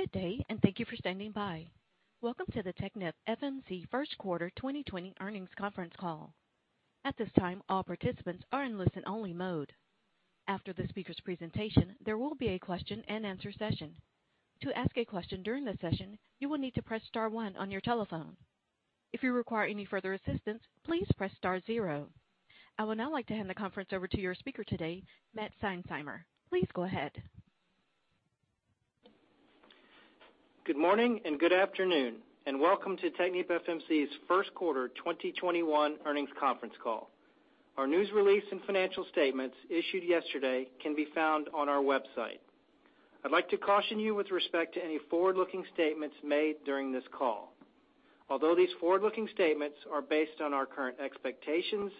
Good day, and thank you for standing by. Welcome to the TechnipFMC first quarter 2020 earnings conference call. At this time all participants are in listen-only mode. After the speaker's presentation, there will be a question and answer session. To ask a question during the session, you will need to press one on your telephone. If you require further assistance, please press star zero. I would now like to hand the conference over to your speaker today, Matt Seinsheimer. Please go ahead. Good morning and good afternoon, and welcome to TechnipFMC's first quarter 2021 earnings conference call. Our news release and financial statements issued yesterday can be found on our website. I'd like to caution you with respect to any forward-looking statements made during this call. Although these forward-looking statements are based on our current expectations,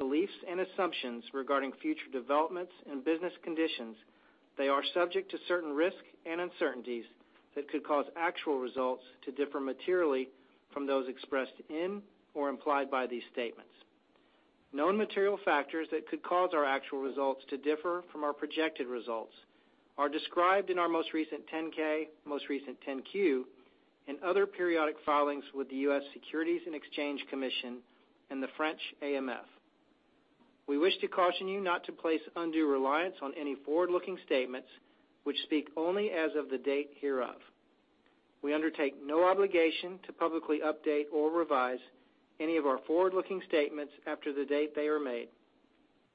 beliefs, and assumptions regarding future developments and business conditions, they are subject to certain risks and uncertainties that could cause actual results to differ materially from those expressed in or implied by these statements. Known material factors that could cause our actual results to differ from our projected results are described in our most recent 10-K, most recent 10-Q, and other periodic filings with the U.S. Securities and Exchange Commission and the French AMF. We wish to caution you not to place undue reliance on any forward-looking statements, which speak only as of the date hereof. We undertake no obligation to publicly update or revise any of our forward-looking statements after the date they are made,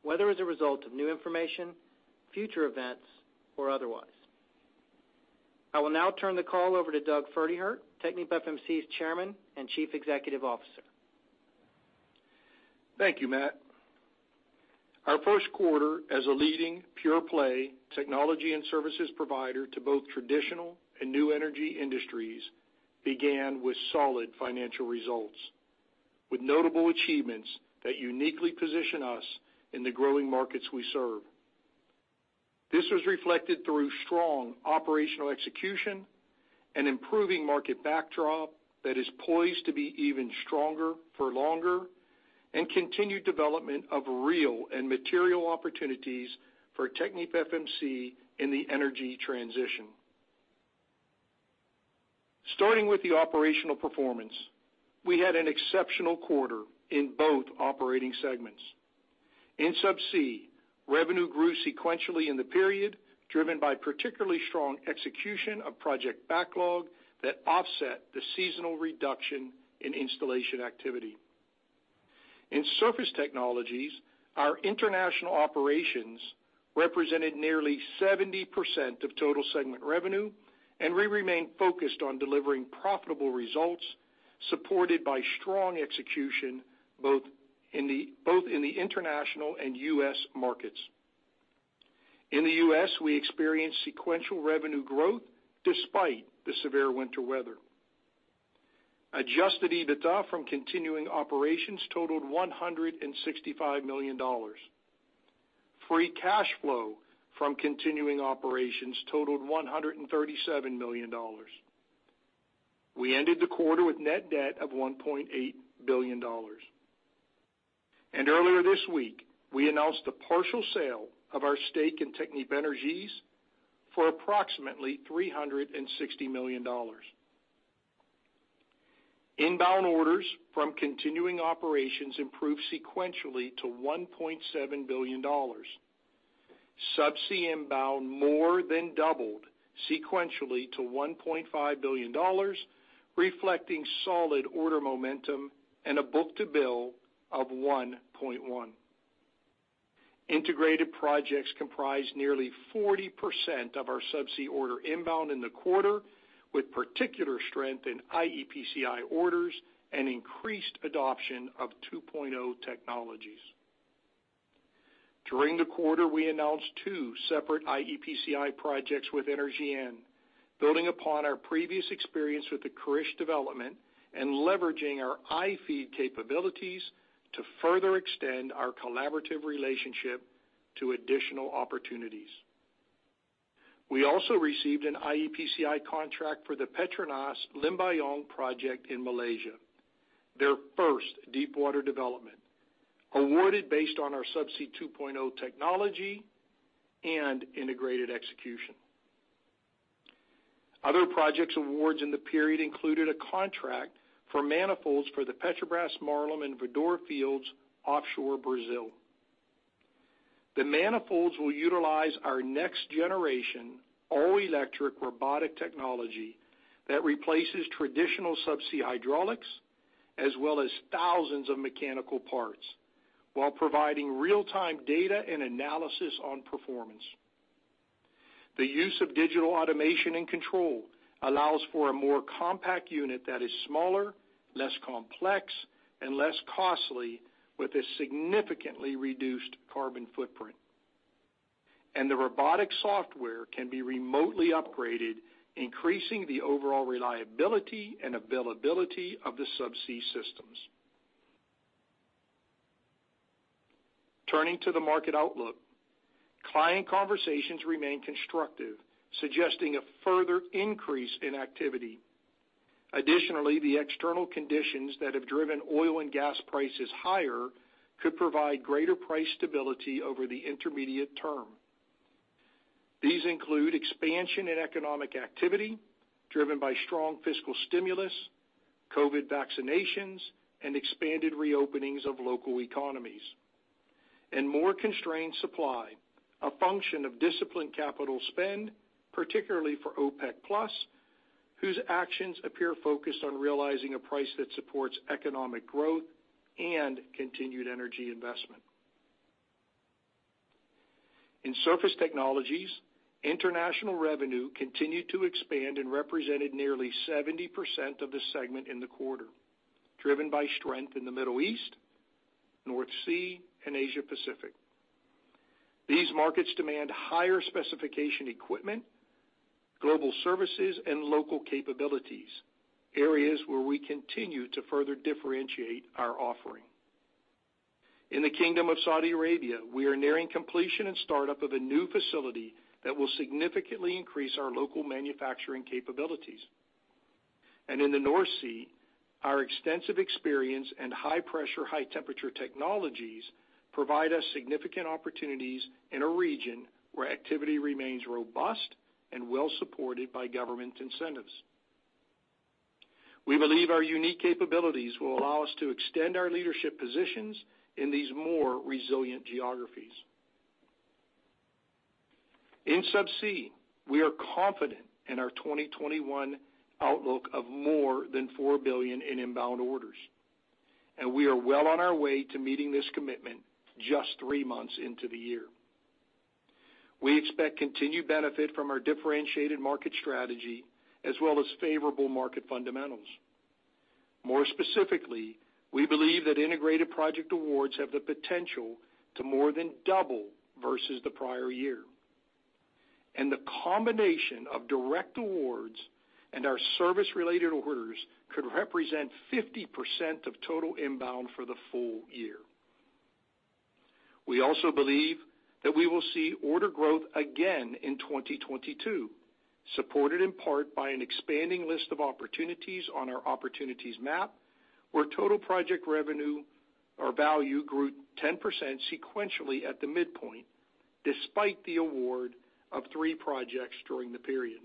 whether as a result of new information, future events, or otherwise. I will now turn the call over to Doug Pferdehirt, TechnipFMC's Chairman and Chief Executive Officer. Thank you, Matt. Our first quarter as a leading pure-play technology and services provider to both traditional and new energy industries began with solid financial results, with notable achievements that uniquely position us in the growing markets we serve. This was reflected through strong operational execution, an improving market backdrop that is poised to be even stronger for longer, and continued development of real and material opportunities for TechnipFMC in the energy transition. Starting with the operational performance, we had an exceptional quarter in both operating segments. In subsea, revenue grew sequentially in the period, driven by particularly strong execution of project backlog that offset the seasonal reduction in installation activity. In surface technologies, our international operations represented nearly 70% of total segment revenue. We remain focused on delivering profitable results, supported by strong execution both in the international and U.S. markets. In the U.S., we experienced sequential revenue growth despite the severe winter weather. Adjusted EBITDA from continuing operations totaled $165 million. Free cash flow from continuing operations totaled $137 million. We ended the quarter with net debt of $1.8 billion. Earlier this week, we announced the partial sale of our stake in Technip Energies for approximately $360 million. Inbound orders from continuing operations improved sequentially to $1.7 billion. Subsea inbound more than doubled sequentially to $1.5 billion, reflecting solid order momentum and a book-to-bill of $1.1 billion. Integrated projects comprised nearly 40% of our subsea order inbound in the quarter, with particular strength in iEPCI orders and increased adoption of 2.0 technologies. During the quarter, we announced two separate iEPCI projects with Energean, building upon our previous experience with the Karish development and leveraging our iFEED capabilities to further extend our collaborative relationship to additional opportunities. We also received an iEPCI contract for the PETRONAS Limbayong project in Malaysia, their first deepwater development, awarded based on our Subsea 2.0 technology and integrated execution. Other projects awards in the period included a contract for manifolds for the Petrobras Marlim and Voador fields offshore Brazil. The manifolds will utilize our next-generation all-electric robotic technology that replaces traditional subsea hydraulics as well as thousands of mechanical parts while providing real-time data and analysis on performance. The use of digital automation and control allows for a more compact unit that is smaller, less complex, and less costly, with a significantly reduced carbon footprint. The robotic software can be remotely upgraded, increasing the overall reliability and availability of the subsea systems. Turning to the market outlook. Client conversations remain constructive, suggesting a further increase in activity. Additionally, the external conditions that have driven oil and gas prices higher could provide greater price stability over the intermediate term. These include expansion in economic activity driven by strong fiscal stimulus, COVID vaccinations, and expanded reopenings of local economies, and more constrained supply, a function of disciplined capital spend, particularly for OPEC Plus, whose actions appear focused on realizing a price that supports economic growth and continued energy investment. In Surface Technologies, international revenue continued to expand and represented nearly 70% of the segment in the quarter, driven by strength in the Middle East, North Sea, and Asia Pacific. These markets demand higher specification equipment, global services, and local capabilities, areas where we continue to further differentiate our offering. In the Kingdom of Saudi Arabia, we are nearing completion and startup of a new facility that will significantly increase our local manufacturing capabilities. In the North Sea, our extensive experience in high pressure, high temperature technologies provide us significant opportunities in a region where activity remains robust and well-supported by government incentives. We believe our unique capabilities will allow us to extend our leadership positions in these more resilient geographies. In subsea, we are confident in our 2021 outlook of more than $4 billion in inbound orders. We are well on our way to meeting this commitment just three months into the year. We expect continued benefit from our differentiated market strategy as well as favorable market fundamentals. More specifically, we believe that integrated project awards have the potential to more than double versus the prior year. The combination of direct awards and our service-related orders could represent 50% of total inbound for the full year. We also believe that we will see order growth again in 2022, supported in part by an expanding list of opportunities on our opportunities map, where total project revenue or value grew 10% sequentially at the midpoint, despite the award of three projects during the period.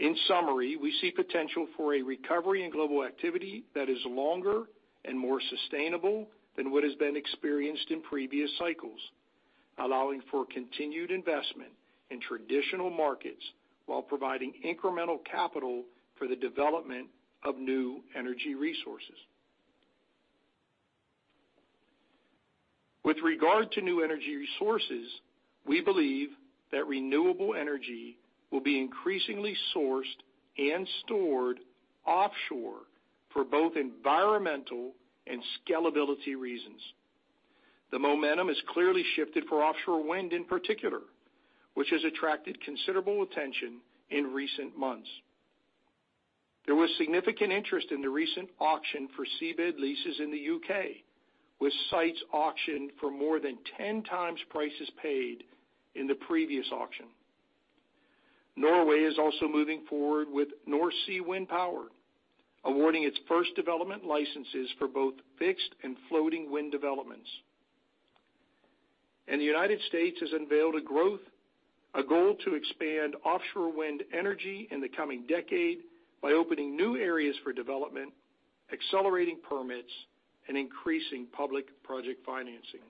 In summary, we see potential for a recovery in global activity that is longer and more sustainable than what has been experienced in previous cycles, allowing for continued investment in traditional markets while providing incremental capital for the development of new energy resources. With regard to new energy resources, we believe that renewable energy will be increasingly sourced and stored offshore for both environmental and scalability reasons. The momentum has clearly shifted for offshore wind in particular, which has attracted considerable attention in recent months. There was significant interest in the recent auction for seabed leases in the U.K., with sites auctioned for more than 10 times prices paid in the previous auction. Norway is also moving forward with North Sea Wind Power, awarding its first development licenses for both fixed and floating wind developments. The United States has unveiled a goal to expand offshore wind energy in the coming decade by opening new areas for development, accelerating permits, and increasing public project financing.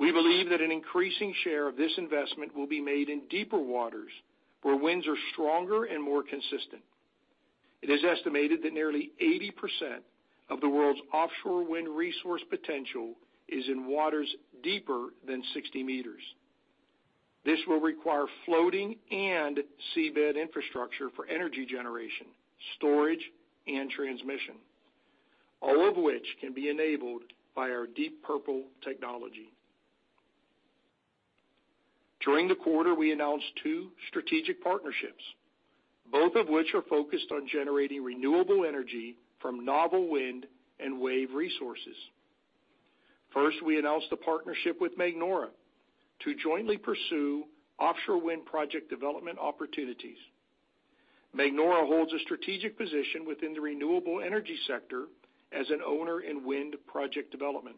We believe that an increasing share of this investment will be made in deeper waters where winds are stronger and more consistent. It is estimated that nearly 80% of the world's offshore wind resource potential is in waters deeper than 60 meters. This will require floating and seabed infrastructure for energy generation, storage, and transmission, all of which can be enabled by our Deep Purple technology. During the quarter, we announced two strategic partnerships, both of which are focused on generating renewable energy from novel wind and wave resources. First, we announced a partnership with Magnora to jointly pursue offshore wind project development opportunities. Magnora holds a strategic position within the renewable energy sector as an owner in wind project development.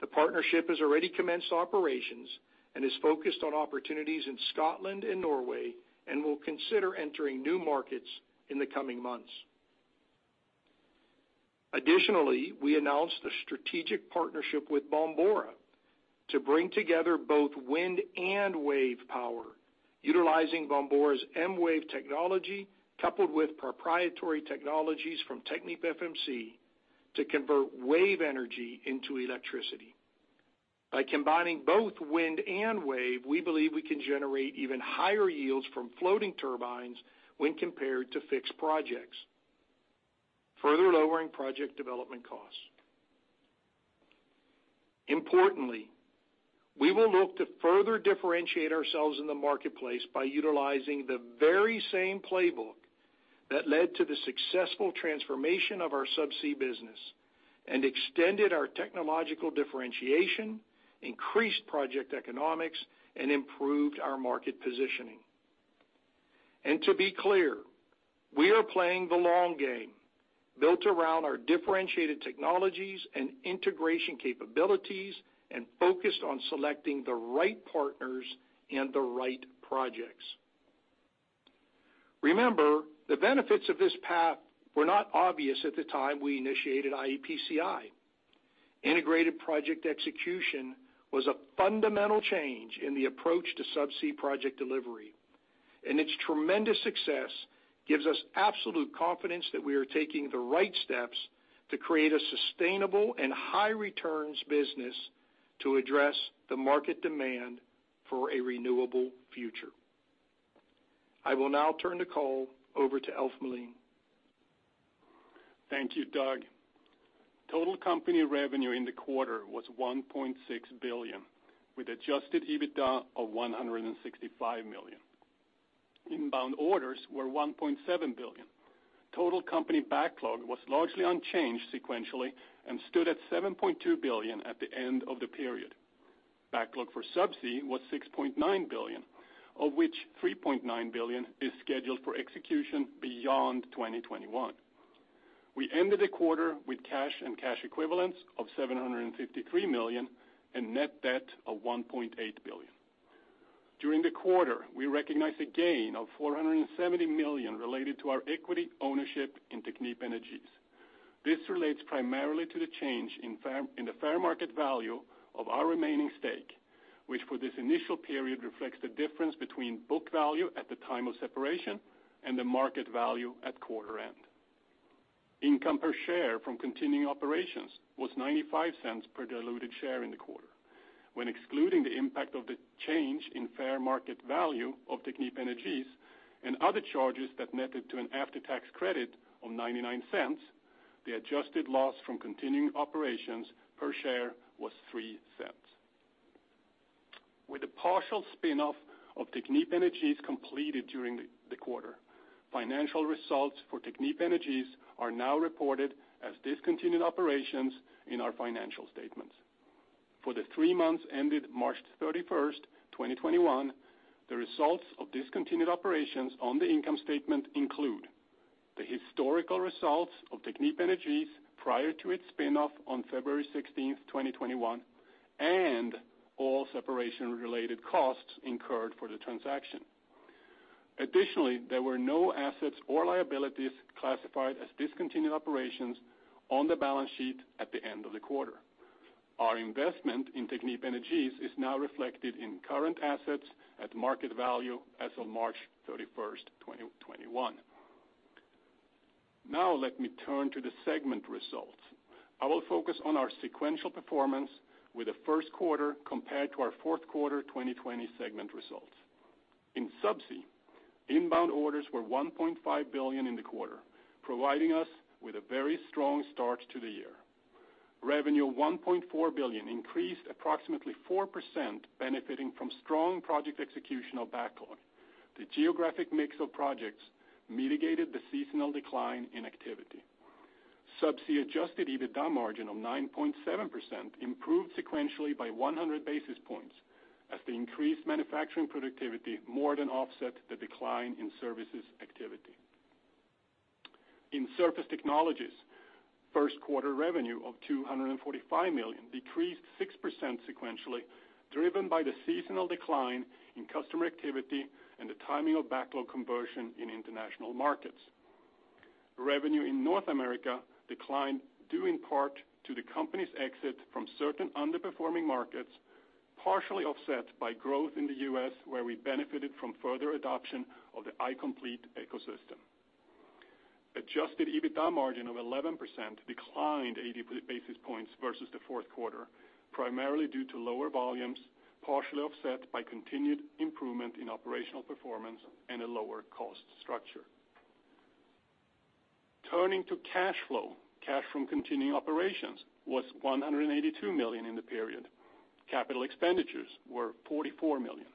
The partnership has already commenced operations and is focused on opportunities in Scotland and Norway and will consider entering new markets in the coming months. Additionally, we announced a strategic partnership with Bombora to bring together both wind and wave power, utilizing Bombora's mWave technology, coupled with proprietary technologies from TechnipFMC, to convert wave energy into electricity. By combining both wind and wave, we believe we can generate even higher yields from floating turbines when compared to fixed projects, further lowering project development costs. Importantly, we will look to further differentiate ourselves in the marketplace by utilizing the very same playbook that led to the successful transformation of our subsea business and extended our technological differentiation, increased project economics, and improved our market positioning. To be clear, we are playing the long game, built around our differentiated technologies and integration capabilities, and focused on selecting the right partners and the right projects. Remember, the benefits of this path were not obvious at the time we initiated iEPCI. Integrated project execution was a fundamental change in the approach to subsea project delivery, and its tremendous success gives us absolute confidence that we are taking the right steps to create a sustainable and high returns business to address the market demand for a renewable future. I will now turn the call over to Alf Melin. Thank you, Doug. Total company revenue in the quarter was $1.6 billion, with adjusted EBITDA of $165 million. Inbound orders were $1.7 billion. Total company backlog was largely unchanged sequentially and stood at $7.2 billion at the end of the period. Backlog for subsea was $6.9 billion, of which $3.9 billion is scheduled for execution beyond 2021. We ended the quarter with cash and cash equivalents of $753 million and net debt of $1.8 billion. During the quarter, we recognized a gain of $470 million related to our equity ownership in Technip Energies. This relates primarily to the change in the fair market value of our remaining stake, which for this initial period reflects the difference between book value at the time of separation and the market value at quarter end. Income per share from continuing operations was $0.95 per diluted share in the quarter. When excluding the impact of the change in fair market value of Technip Energies and other charges that netted to an after-tax credit of $0.99, the adjusted loss from continuing operations per share was $0.03. With the partial spinoff of Technip Energies completed during the quarter, financial results for Technip Energies are now reported as discontinued operations in our financial statements. For the three months ended March 31, 2021, the results of discontinued operations on the income statement include the historical results of Technip Energies prior to its spinoff on February 16, 2021, and all separation-related costs incurred for the transaction. Additionally, there were no assets or liabilities classified as discontinued operations on the balance sheet at the end of the quarter. Our investment in Technip Energies is now reflected in current assets at market value as of March 31st, 2021. Now let me turn to the segment results. I will focus on our sequential performance with the first quarter compared to our fourth quarter 2020 segment results. In Subsea, inbound orders were $1.5 billion in the quarter, providing us with a very strong start to the year. Revenue of $1.4 billion increased approximately 4%, benefiting from strong project executional backlog. The geographic mix of projects mitigated the seasonal decline in activity. Subsea adjusted EBITDA margin of 9.7% improved sequentially by 100 basis points as the increased manufacturing productivity more than offset the decline in services activity. In Surface Technologies, first quarter revenue of $245 million decreased 6% sequentially, driven by the seasonal decline in customer activity and the timing of backlog conversion in international markets. Revenue in North America declined due in part to the company's exit from certain underperforming markets, partially offset by growth in the U.S., where we benefited from further adoption of the iComplete ecosystem. Adjusted EBITDA margin of 11% declined 80 basis points versus the fourth quarter, primarily due to lower volumes, partially offset by continued improvement in operational performance and a lower cost structure. Turning to cash flow, cash from continuing operations was $182 million in the period. Capital expenditures were $44 million.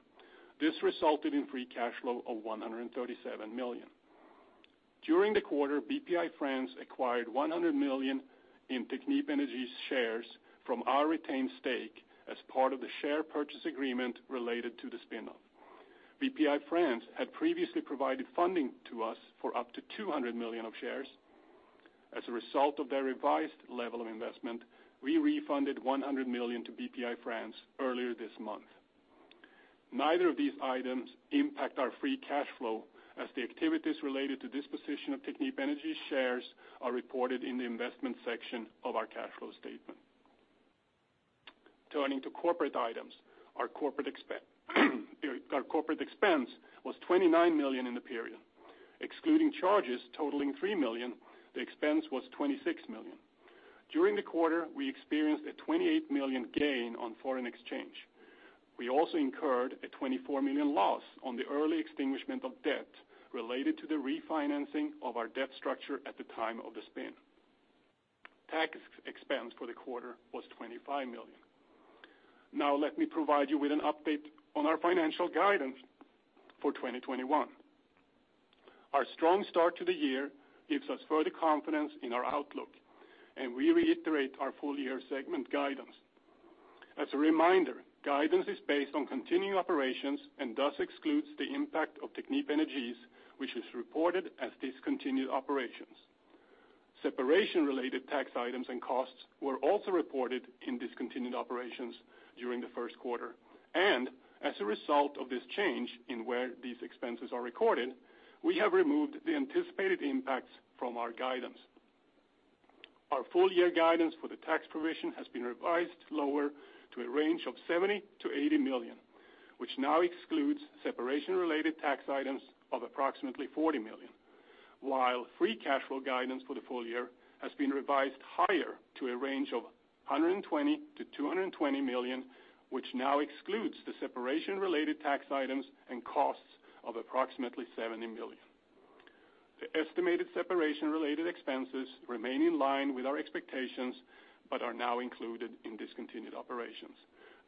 This resulted in free cash flow of $137 million. During the quarter, Bpifrance acquired $100 million in Technip Energies shares from our retained stake as part of the share purchase agreement related to the spinoff. Bpifrance had previously provided funding to us for up to $200 million of shares. As a result of their revised level of investment, we refunded $100 million to Bpifrance earlier this month. Neither of these items impact our free cash flow, as the activities related to disposition of Technip Energies shares are reported in the investment section of our cash flow statement. Turning to corporate items, our corporate expense was $29 million in the period. Excluding charges totaling $3 million, the expense was $26 million. During the quarter, we experienced a $28 million gain on foreign exchange. We also incurred a $24 million loss on the early extinguishment of debt related to the refinancing of our debt structure at the time of the spin. Tax expense for the quarter was $25 million. Let me provide you with an update on our financial guidance for 2021. Our strong start to the year gives us further confidence in our outlook, and we reiterate our full-year segment guidance. As a reminder, guidance is based on continuing operations and thus excludes the impact of Technip Energies, which is reported as discontinued operations. Separation-related tax items and costs were also reported in discontinued operations during the first quarter. As a result of this change in where these expenses are recorded, we have removed the anticipated impacts from our guidance. Our full-year guidance for the tax provision has been revised lower to a range of $70 million-$80 million, which now excludes separation-related tax items of approximately $40 million. While free cash flow guidance for the full year has been revised higher to a range of $120 million-$220 million, which now excludes the separation-related tax items and costs of approximately $70 million. The estimated separation-related expenses remain in line with our expectations but are now included in discontinued operations.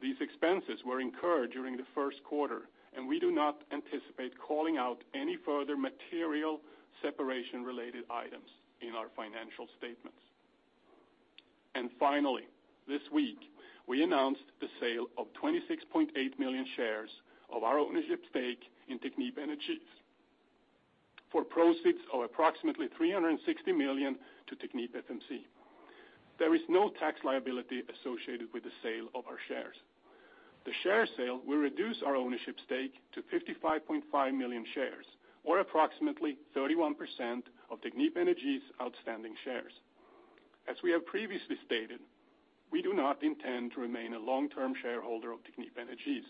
These expenses were incurred during the first quarter, and we do not anticipate calling out any further material separation-related items in our financial statements. Finally, this week, we announced the sale of 26.8 million shares of our ownership stake in Technip Energies for proceeds of approximately $360 million to TechnipFMC. There is no tax liability associated with the sale of our shares. The share sale will reduce our ownership stake to 55.5 million shares, or approximately 31% of Technip Energies' outstanding shares. As we have previously stated, we do not intend to remain a long-term shareholder of Technip Energies,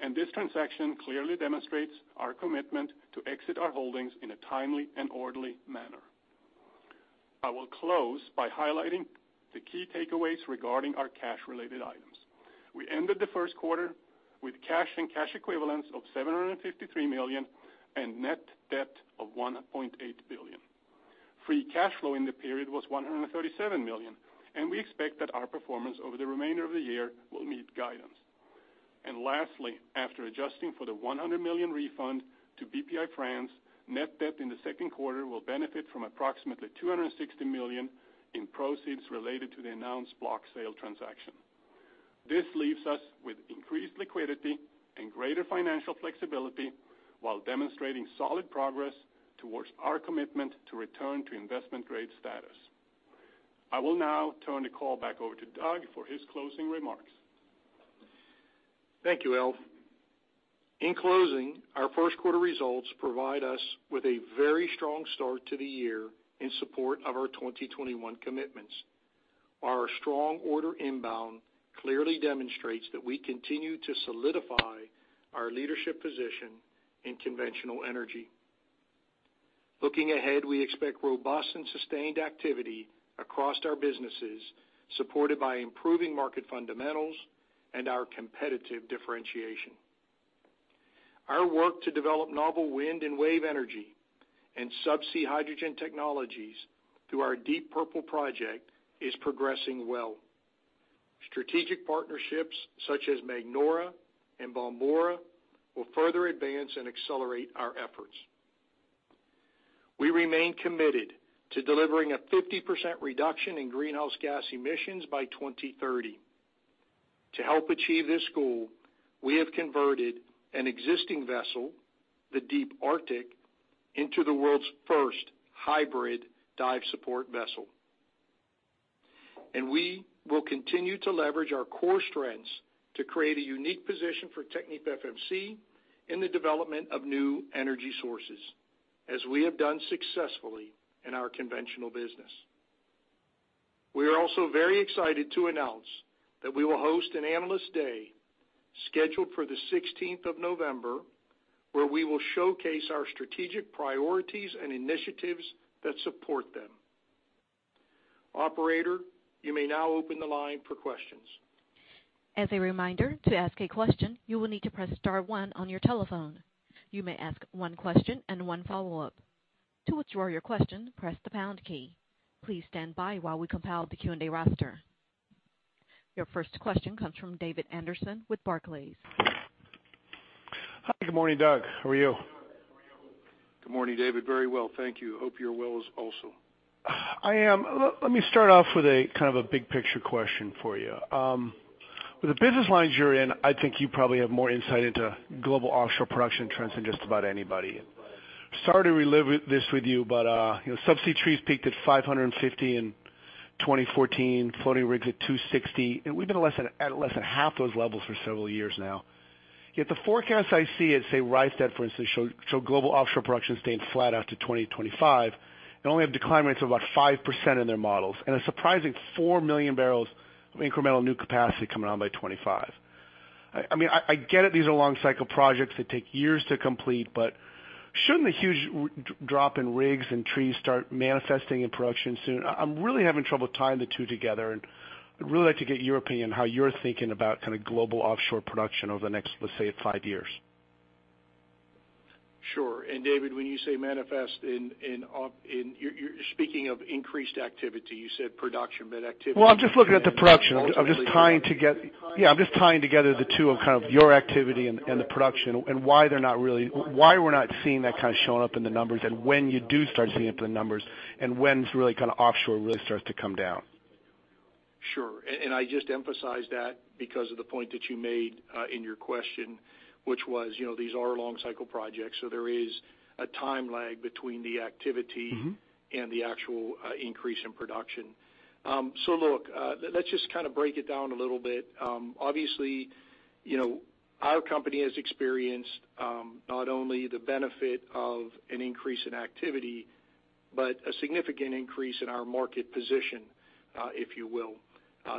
and this transaction clearly demonstrates our commitment to exit our holdings in a timely and orderly manner. I will close by highlighting the key takeaways regarding our cash-related items. We ended the first quarter with cash and cash equivalents of $753 million and net debt of $1.8 billion. We expect that our performance over the remainder of the year will meet guidance. Lastly, after adjusting for the $100 million refund to Bpifrance, net debt in the second quarter will benefit from approximately $260 million in proceeds related to the announced block sale transaction. This leaves us with increased liquidity and greater financial flexibility while demonstrating solid progress towards our commitment to return to investment-grade status. I will now turn the call back over to Doug for his closing remarks. Thank you, Alf. In closing, our first quarter results provide us with a very strong start to the year in support of our 2021 commitments. Our strong order inbound clearly demonstrates that we continue to solidify our leadership position in conventional energy. Looking ahead, we expect robust and sustained activity across our businesses, supported by improving market fundamentals and our competitive differentiation. Our work to develop novel wind and wave energy and subsea hydrogen technologies through our Deep Purple project is progressing well. Strategic partnerships such as Magnora and Bombora will further advance and accelerate our efforts. We remain committed to delivering a 50% reduction in greenhouse gas emissions by 2030. To help achieve this goal, we have converted an existing vessel, the Deep Arctic, into the world's first hybrid dive support vessel. We will continue to leverage our core strengths to create a unique position for TechnipFMC in the development of new energy sources, as we have done successfully in our conventional business. We are also very excited to announce that we will host an Analyst Day scheduled for the 16th of November, where we will showcase our strategic priorities and initiatives that support them. Operator, you may now open the line for questions. As a reminder, to ask a question, you will need to press star one on your telephone. You may ask one question and one follow-up. To withdraw your question, press the pound key. Please stand by while we compile the Q&A roster. Your first question comes from David Anderson with Barclays. Hi. Good morning, Doug. How are you? Good morning, David. Very well, thank you. Hope you're well also. I am. Let me start off with a big-picture question for you. With the business lines you're in, I think you probably have more insight into global offshore production trends than just about anybody. Sorry to relive this with you. Subsea trees peaked at 550 in 2014, floating rigs at 260, and we've been at less than half those levels for several years now. The forecast I see at, say, rise temperature, for instance, show global offshore production staying flat out to 2025, and only have decline rates of about 5% in their models, and a surprising four million barrels of incremental new capacity coming on by 2025. I get it, these are long-cycle projects that take years to complete, but shouldn't the huge drop in rigs and trees start manifesting in production soon? I'm really having trouble tying the two together, and I'd really like to get your opinion how you're thinking about global offshore production over the next, let's say, five years. Sure. David, when you say manifest, you're speaking of increased activity. You said production, but activity? Well, I'm just looking at the production. I'm just tying together the two of your activity and the production, and why we're not seeing that showing up in the numbers, and when you do start seeing it in the numbers, and when offshore really starts to come down? Sure. I just emphasized that because of the point that you made in your question, which was, these are long cycle projects, so there is a time lag between the activity. The actual increase in production. Look, let's just break it down a little bit. Obviously, our company has experienced not only the benefit of an increase in activity, but a significant increase in our market position, if you will.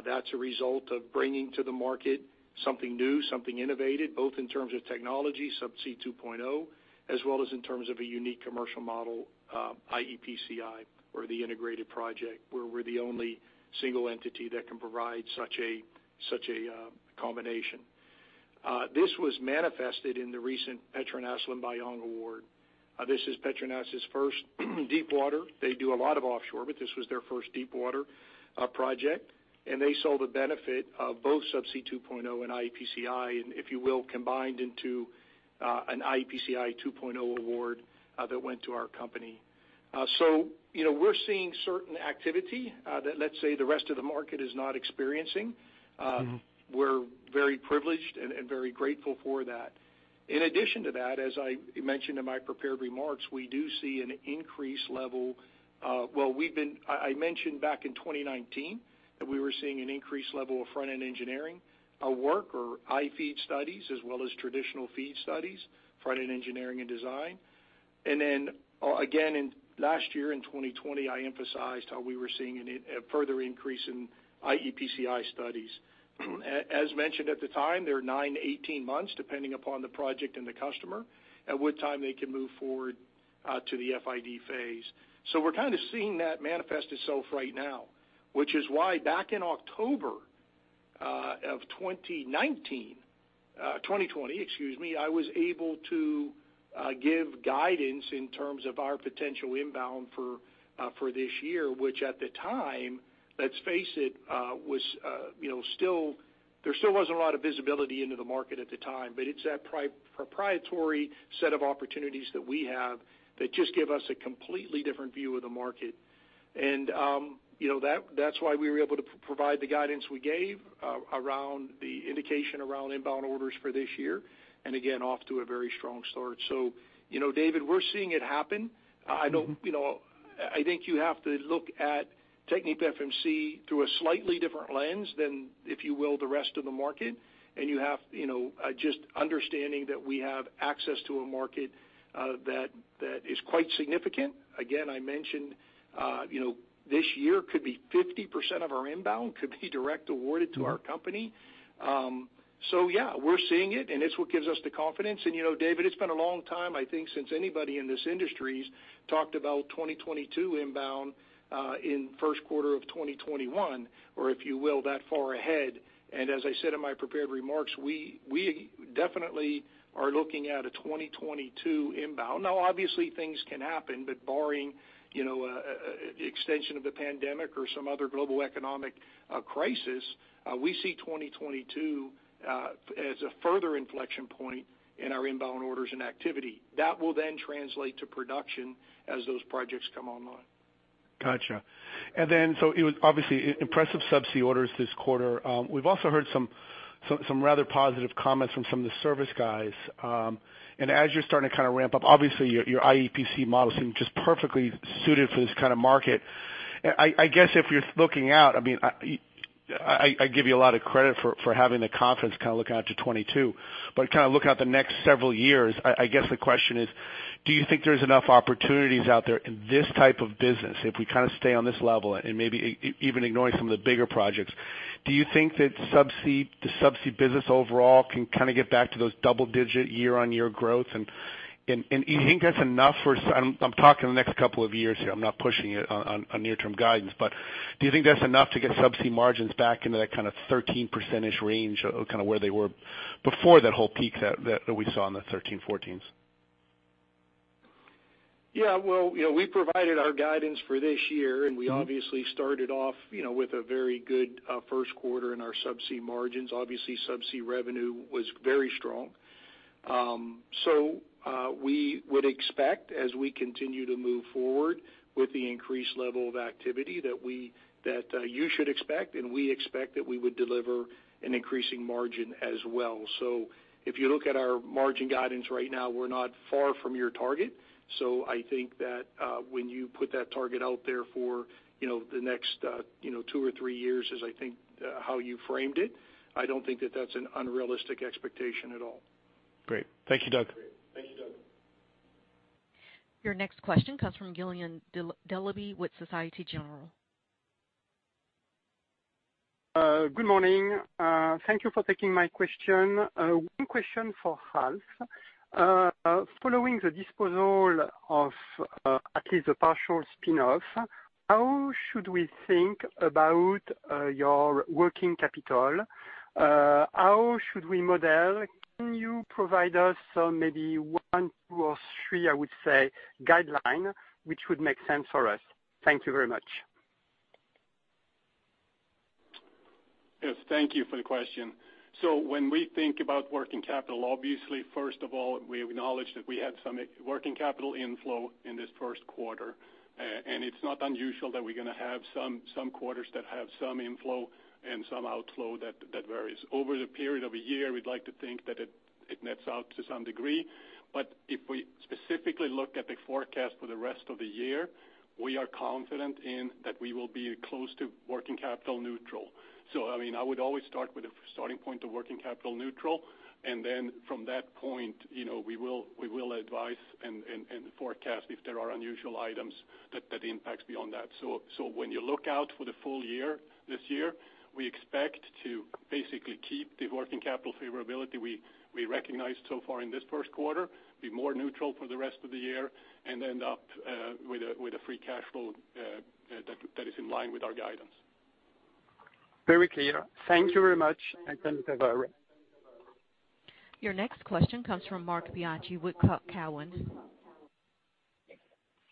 That's a result of bringing to the market something new, something innovative, both in terms of technology, Subsea 2.0, as well as in terms of a unique commercial model, iEPCI, or the integrated project, where we're the only single entity that can provide such a combination. This was manifested in the recent PETRONAS Limbayong award. This is PETRONAS' first deepwater. They do a lot of offshore, but this was their first deepwater project, and they saw the benefit of both Subsea 2.0 and iEPCI, and if you will, combined into an iEPCI 2.0 award that went to our company. We're seeing certain activity that, let's say, the rest of the market is not experiencing. We're very privileged and very grateful for that. In addition to that, as I mentioned in my prepared remarks, I mentioned back in 2019 that we were seeing an increased level of front-end engineering work or iFEED studies as well as traditional FEED studies, front-end engineering and design. Then again, in last year, in 2020, I emphasized how we were seeing a further increase in iEPCI studies. As mentioned at the time, they're 9-18 months, depending upon the project and the customer, at which time they can move forward to the FID phase. We're kind of seeing that manifest itself right now, which is why back in October of 2020, I was able to give guidance in terms of our potential inbound for this year, which at the time, let's face it, there still wasn't a lot of visibility into the market at the time, but it's that proprietary set of opportunities that we have that just give us a completely different view of the market. That's why we were able to provide the guidance we gave around the indication around inbound orders for this year, and again, off to a very strong start. David, we're seeing it happen. I think you have to look at TechnipFMC through a slightly different lens than, if you will, the rest of the market. Just understanding that we have access to a market that is quite significant. Again, I mentioned this year could be 50% of our inbound could be direct awarded to our company. Yeah, we're seeing it, and it's what gives us the confidence. David, it's been a long time, I think, since anybody in this industry's talked about 2022 inbound in first quarter of 2021, or if you will, that far ahead. As I said in my prepared remarks, we definitely are looking at a 2022 inbound. Now, obviously things can happen, but barring the extension of the pandemic or some other global economic crisis, we see 2022 as a further inflection point in our inbound orders and activity. That will then translate to production as those projects come online. Got you. Obviously impressive Subsea orders this quarter. We've also heard some rather positive comments from some of the service guys. As you're starting to ramp up, obviously your iEPCI model seems just perfectly suited for this kind of market. I guess if you're looking out, I give you a lot of credit for having the confidence looking out to 2022, but looking at the next several years, I guess the question is, do you think there's enough opportunities out there in this type of business if we stay on this level and maybe even ignoring some of the bigger projects? Do you think that the Subsea business overall can get back to those double-digit year-over-year growth? Do you think that's enough for I'm talking the next couple of years here. I'm not pushing it on near-term guidance. Do you think that's enough to get Subsea margins back into that kind of 13% range, where they were before that whole peak that we saw in the 2013, 2014s? Yeah. Well, we provided our guidance for this year, and we obviously started off with a very good first quarter in our Subsea margins. Obviously, Subsea revenue was very strong. We would expect as we continue to move forward with the increased level of activity that you should expect, and we expect that we would deliver an increasing margin as well. If you look at our margin guidance right now, we're not far from your target. I think that when you put that target out there for the next two or three years as I think how you framed it, I don't think that that's an unrealistic expectation at all. Great. Thank you, Doug. Your next question comes from Guillaume Delaby with Société Générale. Good morning. Thank you for taking my question. One question for Alf. Following the disposal of at least the partial spinoff, how should we think about your working capital? How should we model? Can you provide us maybe one, two or three, I would say, guideline, which would make sense for us? Thank you very much. Yes, thank you for the question. When we think about working capital, obviously, first of all, we acknowledge that we had some working capital inflow in this first quarter. It's not unusual that we're going to have some quarters that have some inflow and some outflow that varies. Over the period of a year, we'd like to think that it nets out to some degree. If we specifically look at the forecast for the rest of the year, we are confident in that we will be close to working capital neutral. I would always start with a starting point of working capital neutral, and then from that point, we will advise and forecast if there are unusual items that impacts beyond that. When you look out for the full year this year, we expect to basically keep the working capital favorability we recognized so far in this first quarter, be more neutral for the rest of the year, and end up with a free cash flow that is in line with our guidance. Very clear. Thank you very much. Connect over. Your next question comes from Marc Bianchi with Cowen.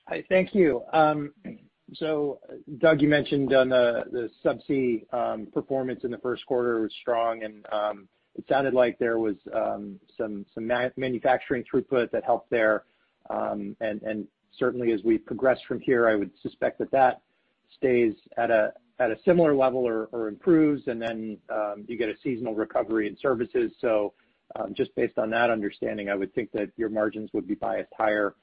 Hi, thank you. Doug, you mentioned on the subsea performance in the first quarter was strong and it sounded like there was some manufacturing throughput that helped there. Certainly, as we progress from here, I would suspect that stays at a similar level or improves and then you get a seasonal recovery in services. Just based on that understanding, I would think that your margins would be biased higher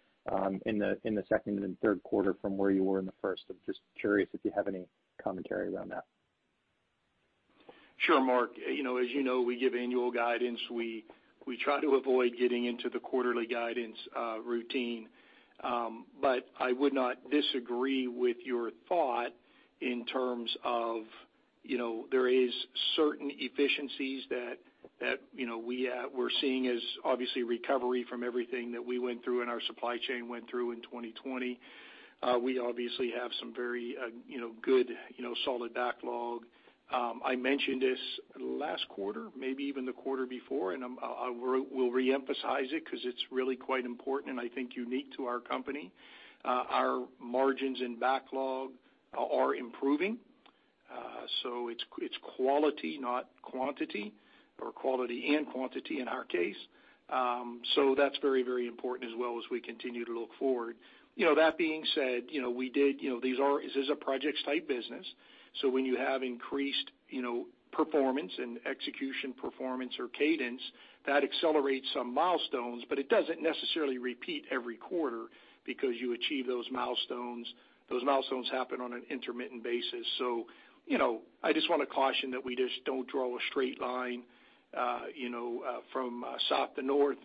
in the second and third quarter from where you were in the first. I'm just curious if you have any commentary around that. Sure, Marc. As you know, we give annual guidance. We try to avoid getting into the quarterly guidance routine. I would not disagree with your thought in terms of there is certain efficiencies that we're seeing as obviously recovery from everything that we went through and our supply chain went through in 2020. We obviously have some very good solid backlog. I mentioned this last quarter, maybe even the quarter before, and we'll reemphasize it because it's really quite important and I think unique to our company. Our margins and backlog are improving. It's quality, not quantity, or quality and quantity in our case. That's very, very important as well as we continue to look forward. That being said, this is a projects type business. When you have increased performance and execution performance or cadence, that accelerates some milestones, but it doesn't necessarily repeat every quarter because you achieve those milestones. Those milestones happen on an intermittent basis. I just want to caution that we just don't draw a straight line from south to north.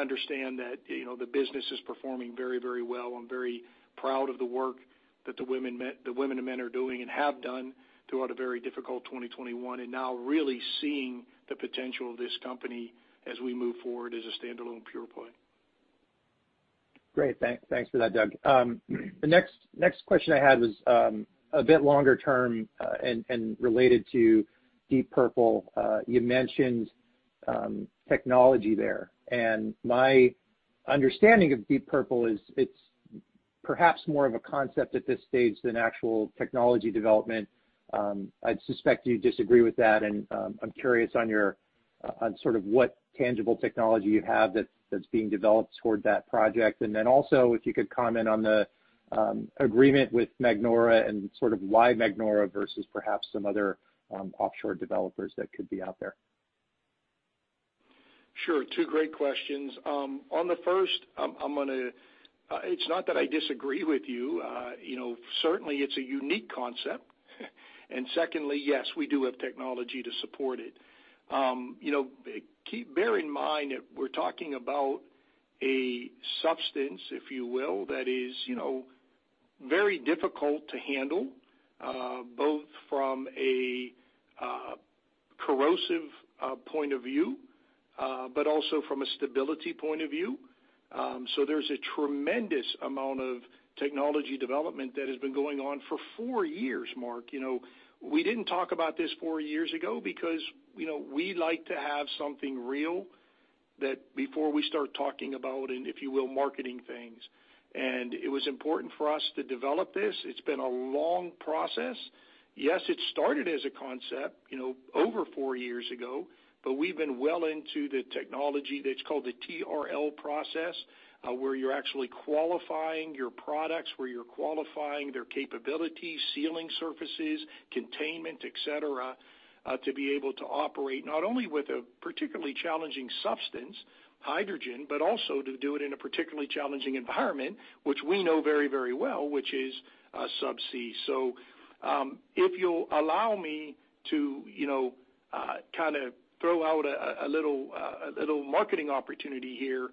Understand that the business is performing very, very well. I'm very proud of the work that the women and men are doing and have done throughout a very difficult 2021, and now really seeing the potential of this company as we move forward as a standalone pure play. Great. Thanks for that, Doug. The next question I had was a bit longer term and related to Deep Purple. You mentioned technology there. My understanding of Deep Purple is it's perhaps more of a concept at this stage than actual technology development. I'd suspect you disagree with that, and I'm curious on sort of what tangible technology you have that's being developed toward that project. Also, if you could comment on the agreement with Magnora and sort of why Magnora versus perhaps some other offshore developers that could be out there. Sure. Two great questions. On the first, it's not that I disagree with you. Certainly it's a unique concept. Secondly, yes, we do have technology to support it. Bear in mind that we're talking about a substance, if you will, that is very difficult to handle both from a corrosive point of view but also from a stability point of view. There's a tremendous amount of technology development that has been going on for four years, Marc. We didn't talk about this four years ago because we like to have something real before we start talking about and if you will, marketing things. It was important for us to develop this. It's been a long process. Yes, it started as a concept over four years ago, but we've been well into the technology that's called the TRL process, where you're actually qualifying your products, where you're qualifying their capabilities, sealing surfaces, containment, et cetera, to be able to operate not only with a particularly challenging substance, hydrogen, but also to do it in a particularly challenging environment, which we know very, very well, which is subsea. If you'll allow me to kind of throw out a little marketing opportunity here.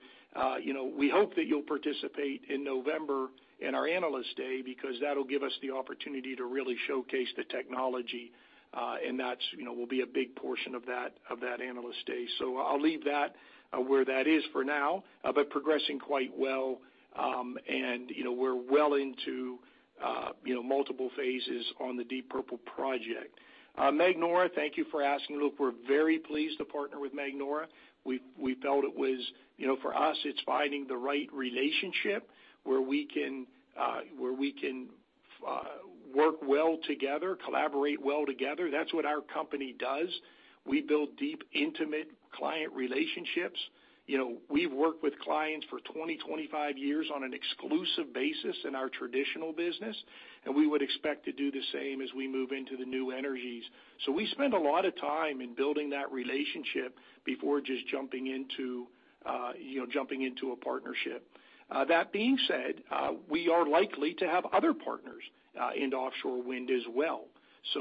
We hope that you'll participate in November in our Analyst Day, because that'll give us the opportunity to really showcase the technology, and that will be a big portion of that Analyst Day. I'll leave that where that is for now. Progressing quite well, and we're well into multiple phases on the Deep Purple project. Magnora, thank you for asking. We're very pleased to partner with Magnora. We felt for us, it's finding the right relationship where we can work well together, collaborate well together. That's what our company does. We build deep, intimate client relationships. We've worked with clients for 20-25 years on an exclusive basis in our traditional business. We would expect to do the same as we move into the new energies. We spend a lot of time in building that relationship before just jumping into a partnership. That being said, we are likely to have other partners in offshore wind as well.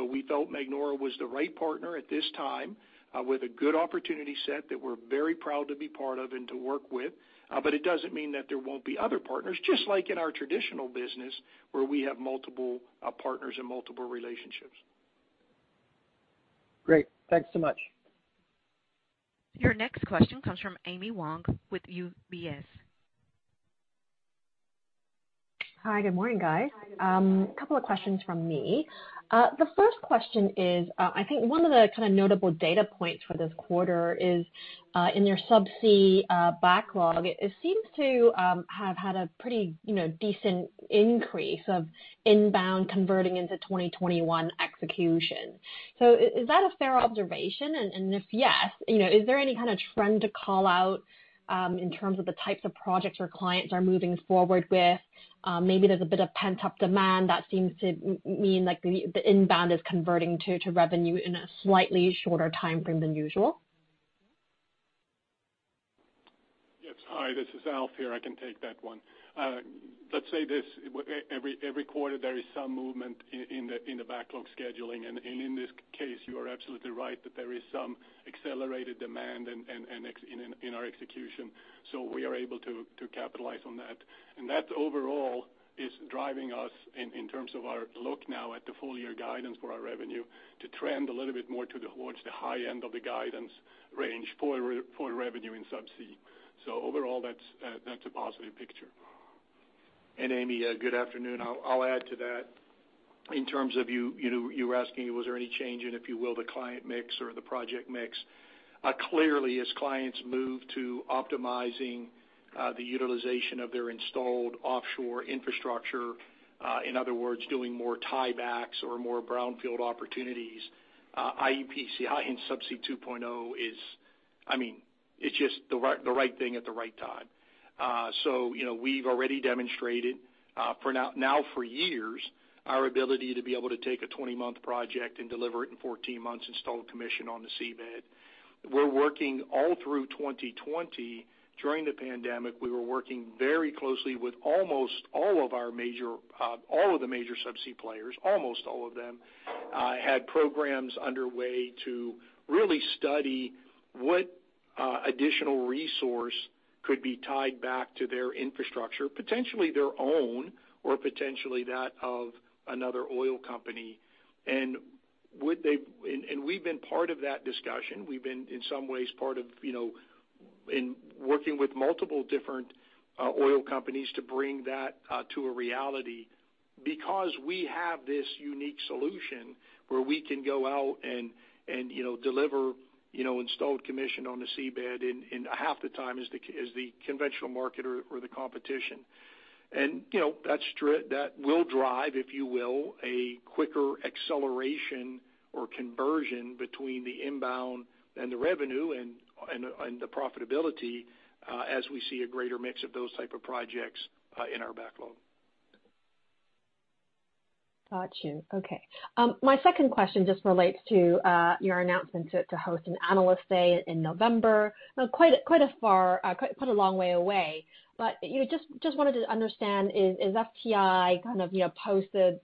We felt Magnora was the right partner at this time with a good opportunity set that we're very proud to be part of and to work with. It doesn't mean that there won't be other partners, just like in our traditional business where we have multiple partners and multiple relationships. Great. Thanks so much. Your next question comes from Amy Wong with UBS. Hi, good morning, guys. Couple of questions from me. The first question is I think one of the notable data points for this quarter is in your subsea backlog. It seems to have had a pretty decent increase of inbound converting into 2021 execution. Is that a fair observation? If yes, is there any kind of trend to call out in terms of the types of projects your clients are moving forward with? Maybe there's a bit of pent-up demand that seems to mean the inbound is converting to revenue in a slightly shorter timeframe than usual? Yes. Hi, this is Alf here. I can take that one. Let's say this, every quarter there is some movement in the backlog scheduling. In this case, you are absolutely right that there is some accelerated demand in our execution. We are able to capitalize on that. That overall is driving us in terms of our look now at the full-year guidance for our revenue to trend a little bit more towards the high end of the guidance range for revenue in subsea. Overall that's a positive picture. Amy, good afternoon. I'll add to that. In terms of you were asking was there any change in, if you will, the client mix or the project mix. Clearly as clients move to optimizing the utilization of their installed offshore infrastructure, in other words, doing more tie-backs or more brownfield opportunities, iEPCI and Subsea 2.0 is just the right thing at the right time. We've already demonstrated now for years our ability to be able to take a 20-month project and deliver it in 14 months installed commission on the seabed. We're working all through 2020 during the pandemic. We were working very closely with almost all of the major subsea players. Almost all of them had programs underway to really study what additional resource could be tied back to their infrastructure, potentially their own or potentially that of another oil company. We've been part of that discussion. We've been, in some ways, part of working with multiple different oil companies to bring that to a reality because we have this unique solution where we can go out and deliver installed commission on the seabed in half the time as the conventional market or the competition. That will drive, if you will, a quicker acceleration or conversion between the inbound and the revenue and the profitability as we see a greater mix of those type of projects in our backlog. Got you. Okay. My second question just relates to your announcement to host an Analyst Day in November. Quite a long way away, but just wanted to understand is FTI kind of post the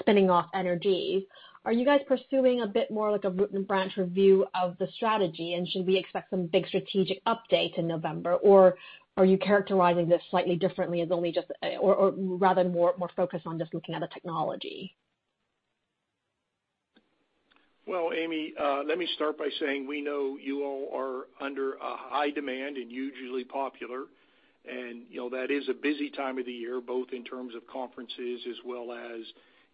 spinning off Technip Energies. Are you guys pursuing a bit more like a root and branch review of the strategy? Should we expect some big strategic update in November? Or are you characterizing this slightly differently as only or rather more focused on just looking at the technology? Well, Amy, let me start by saying we know you all are under a high demand and hugely popular. That is a busy time of the year, both in terms of conferences as well as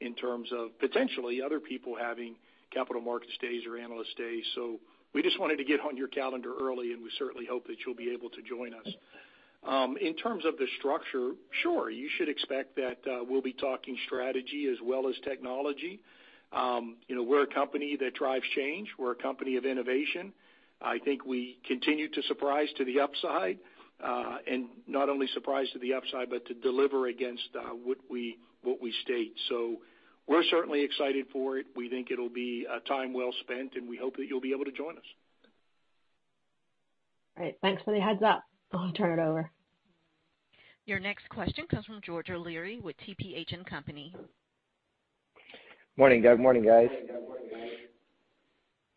in terms of potentially other people having capital markets days or Analyst Days. We just wanted to get on your calendar early, and we certainly hope that you'll be able to join us. In terms of the structure, sure, you should expect that we'll be talking strategy as well as technology. We're a company that drives change. We're a company of innovation. I think we continue to surprise to the upside. Not only surprise to the upside, but to deliver against what we state. We're certainly excited for it. We think it'll be time well spent, and we hope that you'll be able to join us. All right. Thanks for the heads up. I'll turn it over. Your next question comes from George O'Leary with TPH & Company. Morning, Doug. Morning, guys.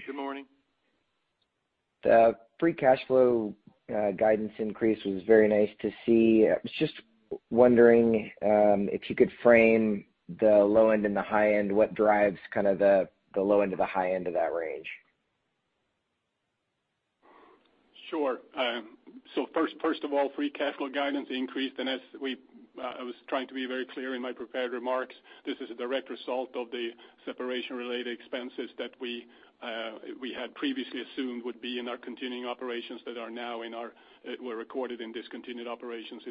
Good morning. The free cash flow guidance increase was very nice to see. I was just wondering if you could frame the low end and the high end? What drives the low end to the high end of that range? Sure. First of all, free cash flow guidance increased. As I was trying to be very clear in my prepared remarks, this is a direct result of the separation-related expenses that we had previously assumed would be in our continuing operations that were recorded in discontinued operations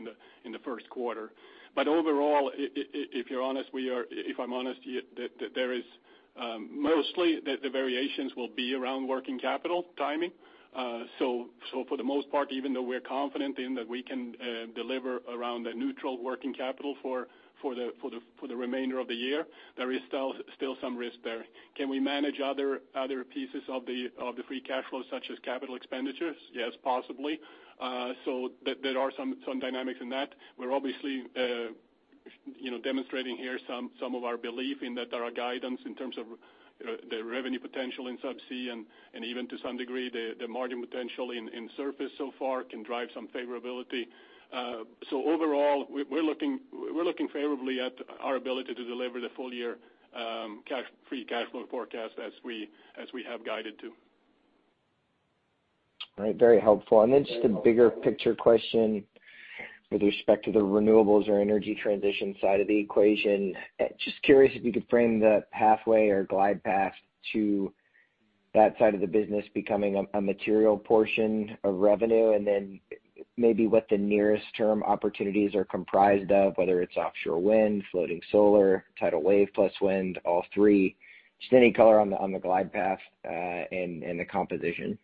in the first quarter. Overall, if I'm honest, mostly the variations will be around working capital timing. For the most part, even though we're confident in that we can deliver around the neutral working capital for the remainder of the year, there is still some risk there. Can we manage other pieces of the free cash flow, such as capital expenditures? Yes, possibly. There are some dynamics in that. We're obviously demonstrating here some of our belief in that our guidance in terms of the revenue potential in subsea and even to some degree, the margin potential in surface so far can drive some favorability. Overall, we're looking favorably at our ability to deliver the full-year free cash flow forecast as we have guided to. All right. Very helpful. Just a bigger picture question with respect to the renewables or energy transition side of the equation. Just curious if you could frame the pathway or glide path to that side of the business becoming a material portion of revenue, maybe what the nearest term opportunities are comprised of, whether it's offshore wind, floating solar, tidal wave plus wind, all three. Just any color on the glide path and the composition. Yeah,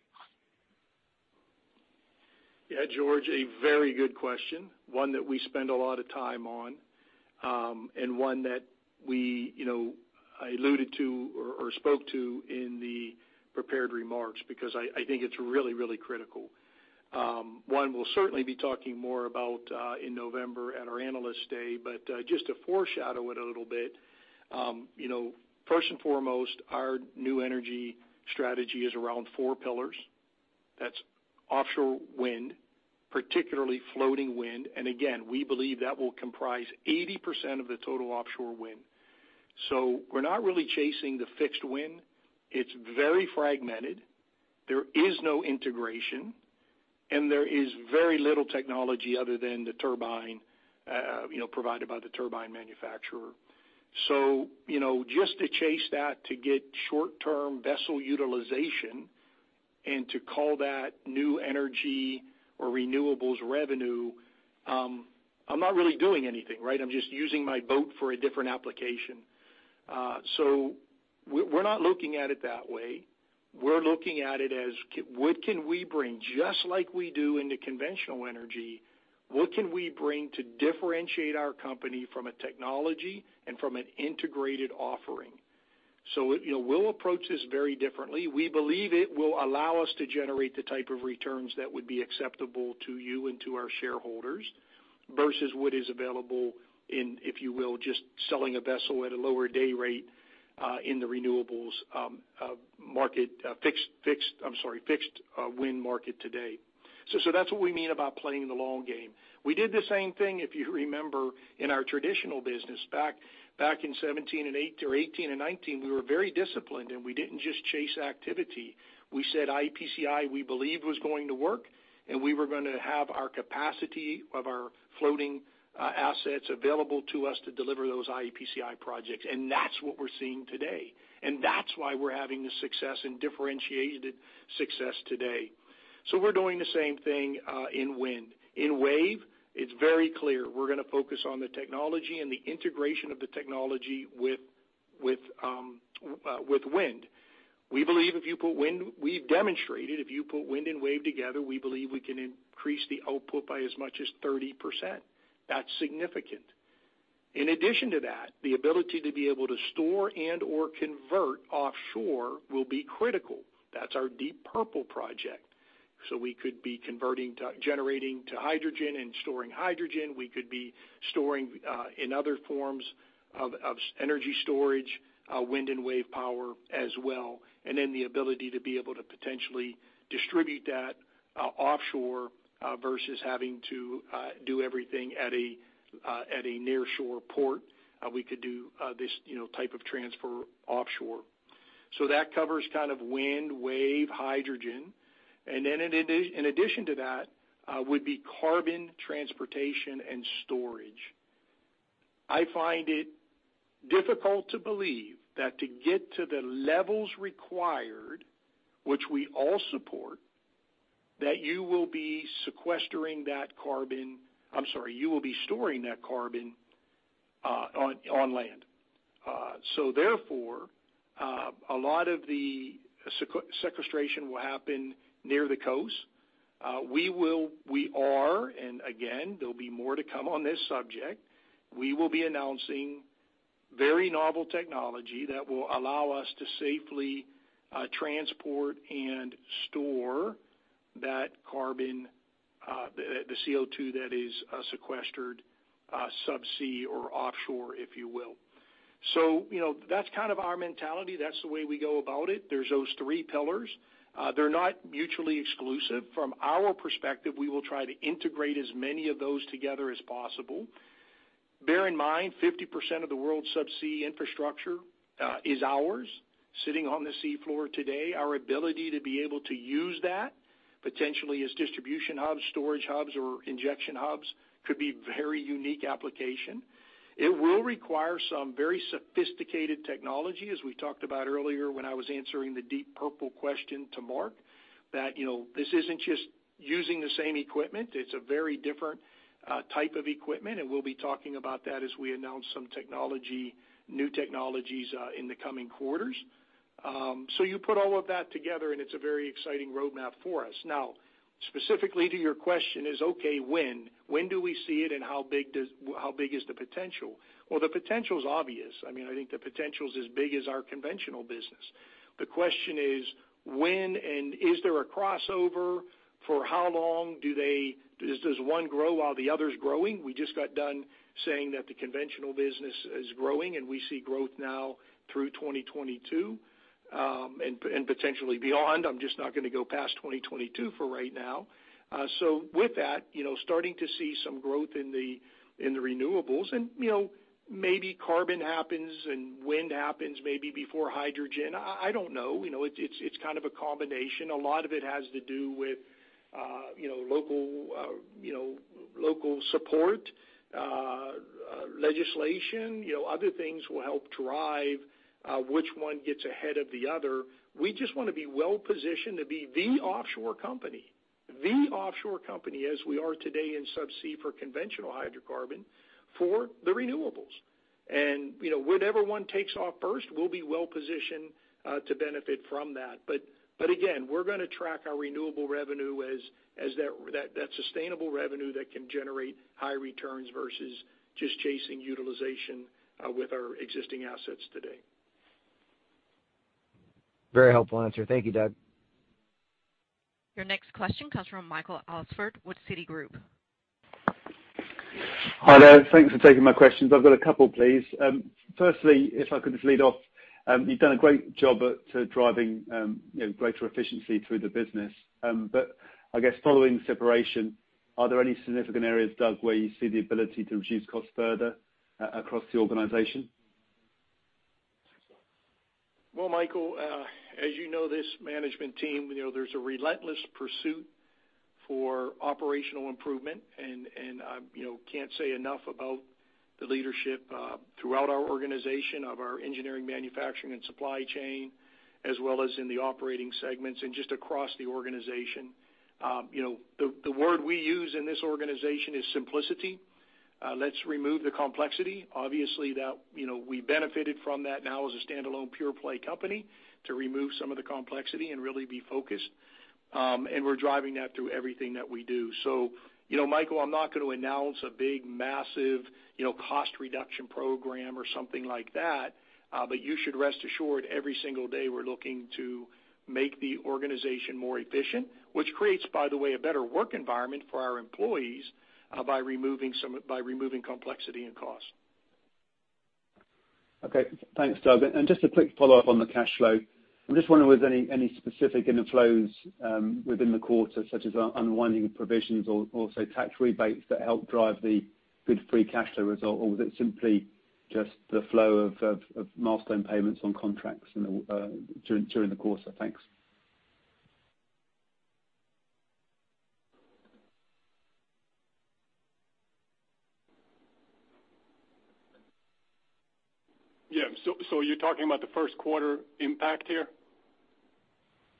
George, a very good question. One that we spend a lot of time on, one that I alluded to or spoke to in the prepared remarks because I think it's really, really critical. One we'll certainly be talking more about in November at our Analyst Day. Just to foreshadow it a little bit, first and foremost, our new energy strategy is around four pillars. That's offshore wind, particularly floating wind. Again, we believe that will comprise 80% of the total offshore wind. We're not really chasing the fixed wind. It's very fragmented. There is no integration, and there is very little technology other than the turbine provided by the turbine manufacturer. Just to chase that to get short-term vessel utilization and to call that new energy or renewables revenue, I'm not really doing anything, right? I'm just using my boat for a different application. We're not looking at it that way. We're looking at it as what can we bring, just like we do in the conventional energy, what can we bring to differentiate our company from a technology and from an integrated offering? We'll approach this very differently. We believe it will allow us to generate the type of returns that would be acceptable to you and to our shareholders versus what is available in, if you will, just selling a vessel at a lower day rate in the renewables market, fixed wind market today. That's what we mean about playing the long game. We did the same thing, if you remember, in our traditional business back in 2017 to 2018 and 2019. We were very disciplined and we didn't just chase activity. We said iEPCI we believe was going to work, we were going to have our capacity of our floating assets available to us to deliver those iEPCI projects. That's what we're seeing today. That's why we're having the success and differentiated success today. We're doing the same thing in wind. In wave, it's very clear we're going to focus on the technology and the integration of the technology with wind. We believe if you put wind and wave together, we believe we can increase the output by as much as 30%. That's significant. In addition to that, the ability to be able to store and/or convert offshore will be critical. That's our Deep Purple project. We could be converting to generating to hydrogen and storing hydrogen. We could be storing in other forms of energy storage, wind and wave power as well. The ability to be able to potentially distribute that offshore versus having to do everything at a nearshore port. We could do this type of transfer offshore. That covers wind, wave, hydrogen. In addition to that would be carbon transportation and storage. I find it difficult to believe that to get to the levels required, which we all support, that you will be sequestering that carbon, I'm sorry, you will be storing that carbon on land. Therefore, a lot of the sequestration will happen near the coast. We are, and again, there will be more to come on this subject. We will be announcing very novel technology that will allow us to safely transport and store that carbon, the CO2 that is sequestered subsea or offshore, if you will. That's our mentality. That's the way we go about it. There's those three pillars. They're not mutually exclusive. From our perspective, we will try to integrate as many of those together as possible. Bear in mind, 50% of the world's subsea infrastructure is ours, sitting on the sea floor today. Our ability to be able to use that potentially as distribution hubs, storage hubs, or injection hubs could be very unique application. It will require some very sophisticated technology, as we talked about earlier when I was answering the Deep Purple question to Marc, that this isn't just using the same equipment. It's a very different type of equipment, and we'll be talking about that as we announce some new technologies in the coming quarters. You put all of that together, and it's a very exciting roadmap for us. Specifically to your question is, okay, when? When do we see it, and how big is the potential? Well, the potential's obvious. I think the potential is as big as our conventional business. The question is when, and is there a crossover? For how long? Does one grow while the other's growing? We just got done saying that the conventional business is growing. We see growth now through 2022, potentially beyond. I'm just not going to go past 2022 for right now. With that, starting to see some growth in the renewables, maybe carbon happens, wind happens maybe before hydrogen. I don't know. It's kind of a combination. A lot of it has to do with local support, legislation. Other things will help drive which one gets ahead of the other. We just want to be well-positioned to be the offshore company, as we are today in subsea for conventional hydrocarbon, for the renewables. Whatever one takes off first, we'll be well-positioned to benefit from that. Again, we're going to track our renewable revenue as that sustainable revenue that can generate high returns versus just chasing utilization with our existing assets today. Very helpful answer. Thank you, Doug. Your next question comes from Michael Alsford with Citigroup. Hi there. Thanks for taking my questions. I've got a couple, please. Firstly, if I could just lead off, you've done a great job at driving greater efficiency through the business. I guess following separation, are there any significant areas, Doug, where you see the ability to reduce costs further across the organization? Well, Michael, as you know, this management team, there's a relentless pursuit for operational improvement, and I can't say enough about the leadership throughout our organization of our engineering, manufacturing, and supply chain, as well as in the operating segments and just across the organization. The word we use in this organization is simplicity. Let's remove the complexity. Obviously, we benefited from that now as a standalone pure-play company to remove some of the complexity and really be focused. We're driving that through everything that we do. Michael, I'm not going to announce a big, massive cost reduction program or something like that. You should rest assured every single day we're looking to make the organization more efficient, which creates, by the way, a better work environment for our employees by removing complexity and cost. Okay. Thanks, Doug. Just a quick follow-up on the cash flow. I'm just wondering if there was any specific inflows within the quarter, such as unwinding provisions or also tax rebates that help drive the good free cash flow result, or was it simply just the flow of milestone payments on contracts during the quarter? Thanks. Yeah. You're talking about the first quarter impact here?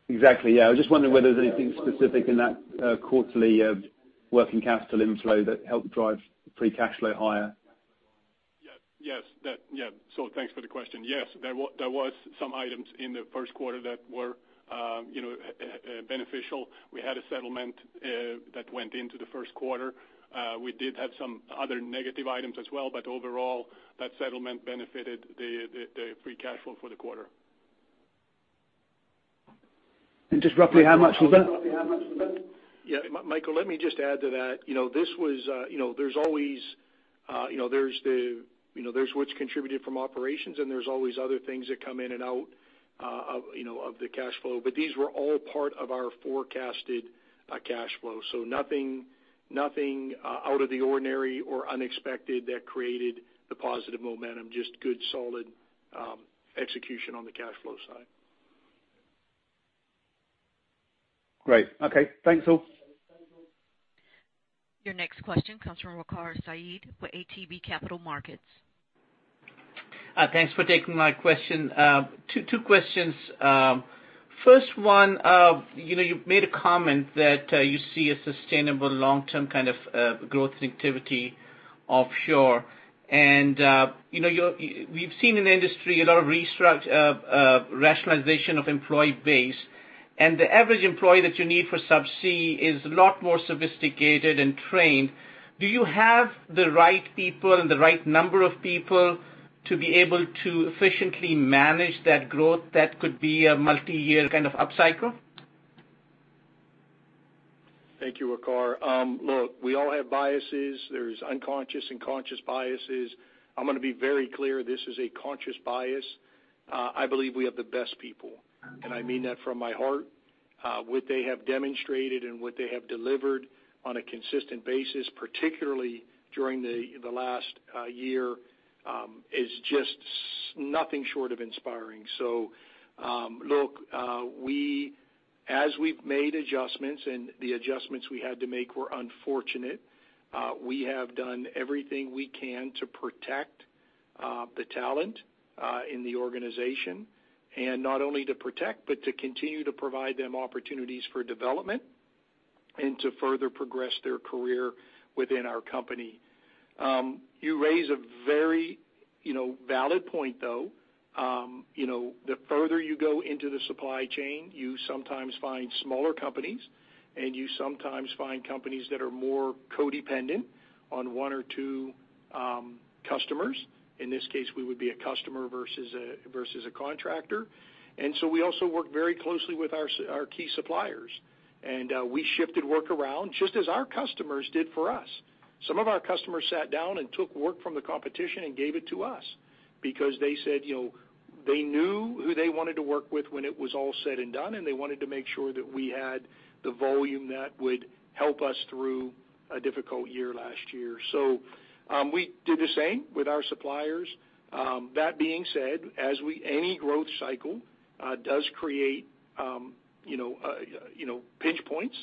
Exactly, yeah. I was just wondering whether there's anything specific in that quarterly working cash flow inflow that helped drive free cash flow higher. Yes. Thanks for the question. Yes, there were some items in the first quarter that were beneficial. We had a settlement that went into the first quarter. We did have some other negative items as well. Overall, that settlement benefited the free cash flow for the quarter. Just roughly how much was it? Yeah, Michael, let me just add to that. There's what's contributed from operations, there's always other things that come in and out of the cash flow. These were all part of our forecasted cash flow. Nothing out of the ordinary or unexpected that created the positive momentum, just good solid execution on the cash flow side. Great. Okay. Thanks all. Your next question comes from Waqar Syed with ATB Capital Markets. Thanks for taking my question. Two questions. First one, you made a comment that you see a sustainable long-term kind of growth activity offshore. We've seen in the industry a lot of rationalization of employee base, and the average employee that you need for subsea is a lot more sophisticated and trained. Do you have the right people and the right number of people to be able to efficiently manage that growth that could be a multi-year kind of upcycle? Thank you, Waqar. We all have biases. There's unconscious and conscious biases. I'm going to be very clear, this is a conscious bias. I believe we have the best people, and I mean that from my heart. What they have demonstrated and what they have delivered on a consistent basis, particularly during the last year, is just nothing short of inspiring. As we've made adjustments, and the adjustments we had to make were unfortunate, we have done everything we can to protect the talent in the organization. Not only to protect, but to continue to provide them opportunities for development and to further progress their career within our company. You raise a very valid point, though. The further you go into the supply chain, you sometimes find smaller companies and you sometimes find companies that are more codependent on one or two customers. In this case, we would be a customer versus a contractor. We also work very closely with our key suppliers, and we shifted work around just as our customers did for us. Some of our customers sat down and took work from the competition and gave it to us because they said they knew who they wanted to work with when it was all said and done, and they wanted to make sure that we had the volume that would help us through a difficult year last year. We did the same with our suppliers. That being said, as any growth cycle does create pinch points,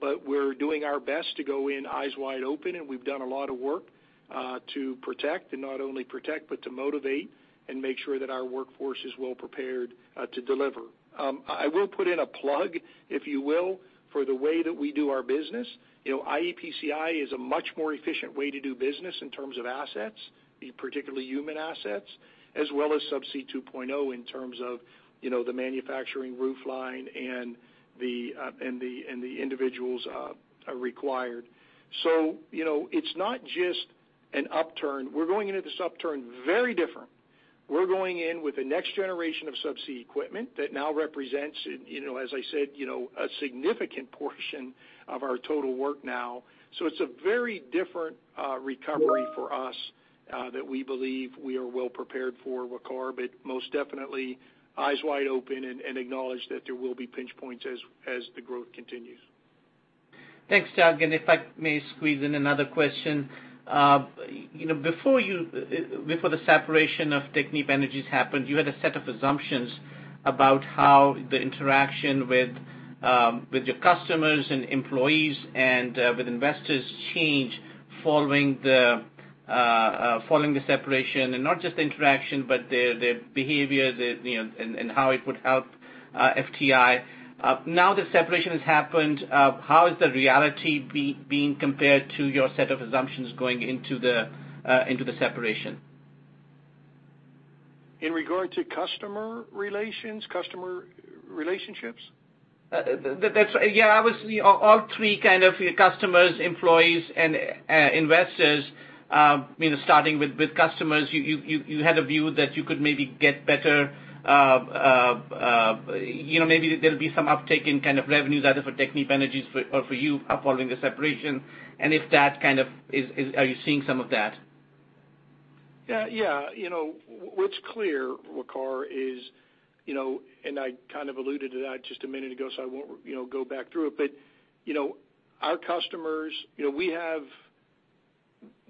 but we're doing our best to go in eyes wide open, and we've done a lot of work to protect and not only protect, but to motivate and make sure that our workforce is well prepared to deliver. I will put in a plug, if you will, for the way that we do our business. iEPCI is a much more efficient way to do business in terms of assets, particularly human assets, as well as Subsea 2.0 in terms of the manufacturing roofline and the individuals required. It's not just an upturn. We're going into this upturn very different. We're going in with a next generation of subsea equipment that now represents, as I said, a significant portion of our total work now. It's a very different recovery for us that we believe we are well prepared for, Waqar, but most definitely eyes wide open and acknowledge that there will be pinch points as the growth continues. Thanks, Doug. If I may squeeze in another question. Before the separation of Technip Energies happened, you had a set of assumptions about how the interaction with your customers and employees and with investors change following the separation, and not just the interaction, but their behavior and how it would help FTI. Now that separation has happened, how is the reality being compared to your set of assumptions going into the separation? In regard to customer relations, customer relationships? Yeah, obviously all three kind of customers, employees, and investors. Starting with customers, you had a view that you could maybe get better, maybe there'll be some uptick in kind of revenues, either for Technip Energies or for you following the separation. Are you seeing some of that? Yeah. What's clear, Waqar, is I kind of alluded to that just a minute ago, so I won't go back through it. Our customers,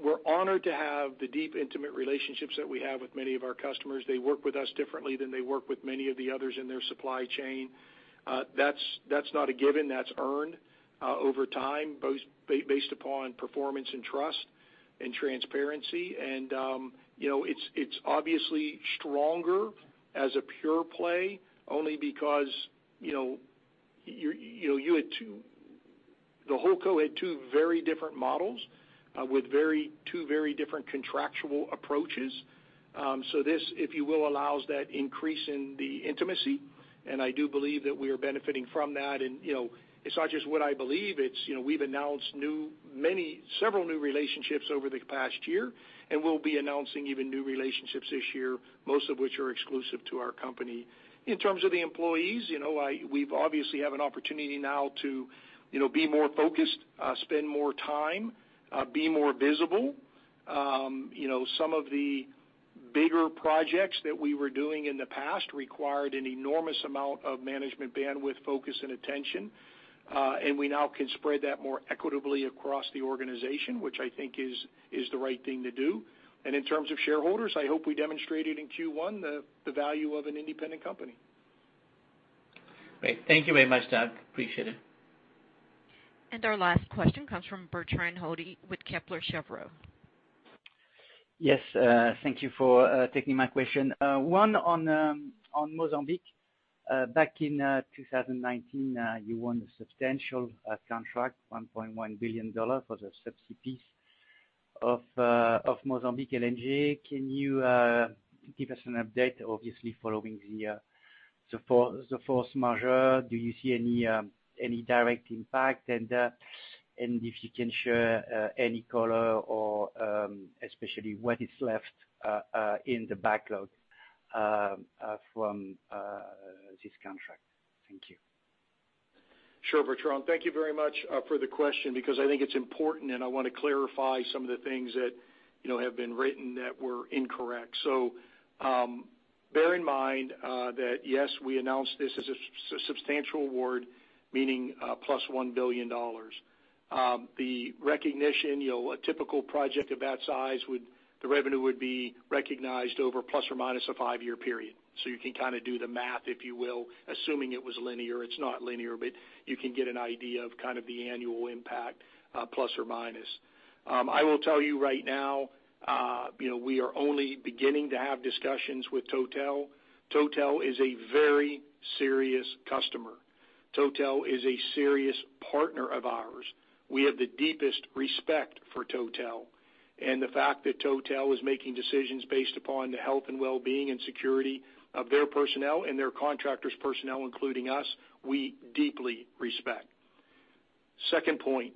we're honored to have the deep, intimate relationships that we have with many of our customers. They work with us differently than they work with many of the others in their supply chain. That's not a given. That's earned over time, based upon performance and trust and transparency. It's obviously stronger as a pure play only because the whole co had two very different models with two very different contractual approaches. This, if you will, allows that increase in the intimacy, and I do believe that we are benefiting from that. It's not just what I believe, it's we've announced several new relationships over the past year, and we'll be announcing even new relationships this year, most of which are exclusive to our company. In terms of the employees, we obviously have an opportunity now to be more focused, spend more time, be more visible. Some of the bigger projects that we were doing in the past required an enormous amount of management bandwidth, focus, and attention. We now can spread that more equitably across the organization, which I think is the right thing to do. In terms of shareholders, I hope we demonstrated in Q1 the value of an independent company. Great. Thank you very much, Doug. Appreciate it. Our last question comes from Bertrand Hodée with Kepler Cheuvreux. Yes. Thank you for taking my question. One on Mozambique. Back in 2019, you won a substantial contract, $1.1 billion for the subsea piece of Mozambique LNG. Can you give as an update, obviously following the force majeure? Do you see any direct impact? And if you can share any color, especially on what is left in the backlog from this contract. Thank you. Sure, Bertrand. Thank you very much for the question, because i think its important, and I would like to clarify some of the things that have been written that were incorrect. Bear in mind that, yes, we announced this as a substantial award, meaning plus $1 billion. The recognition, a typical project of that size, the revenue would be recognized over plus or minus a five-year period. You can do the math, if you will, assuming it was linear. It's not linear, you can get an idea of the annual impact, plus or minus. I will tell you right now, we are only beginning to have discussions with Total. Total is a very serious customer. Total is a serious partner of ours. We have the deepest respect for Total. The fact that Total is making decisions based upon the health and wellbeing and security of their personnel and their contractors' personnel, including us, we deeply respect. Second point,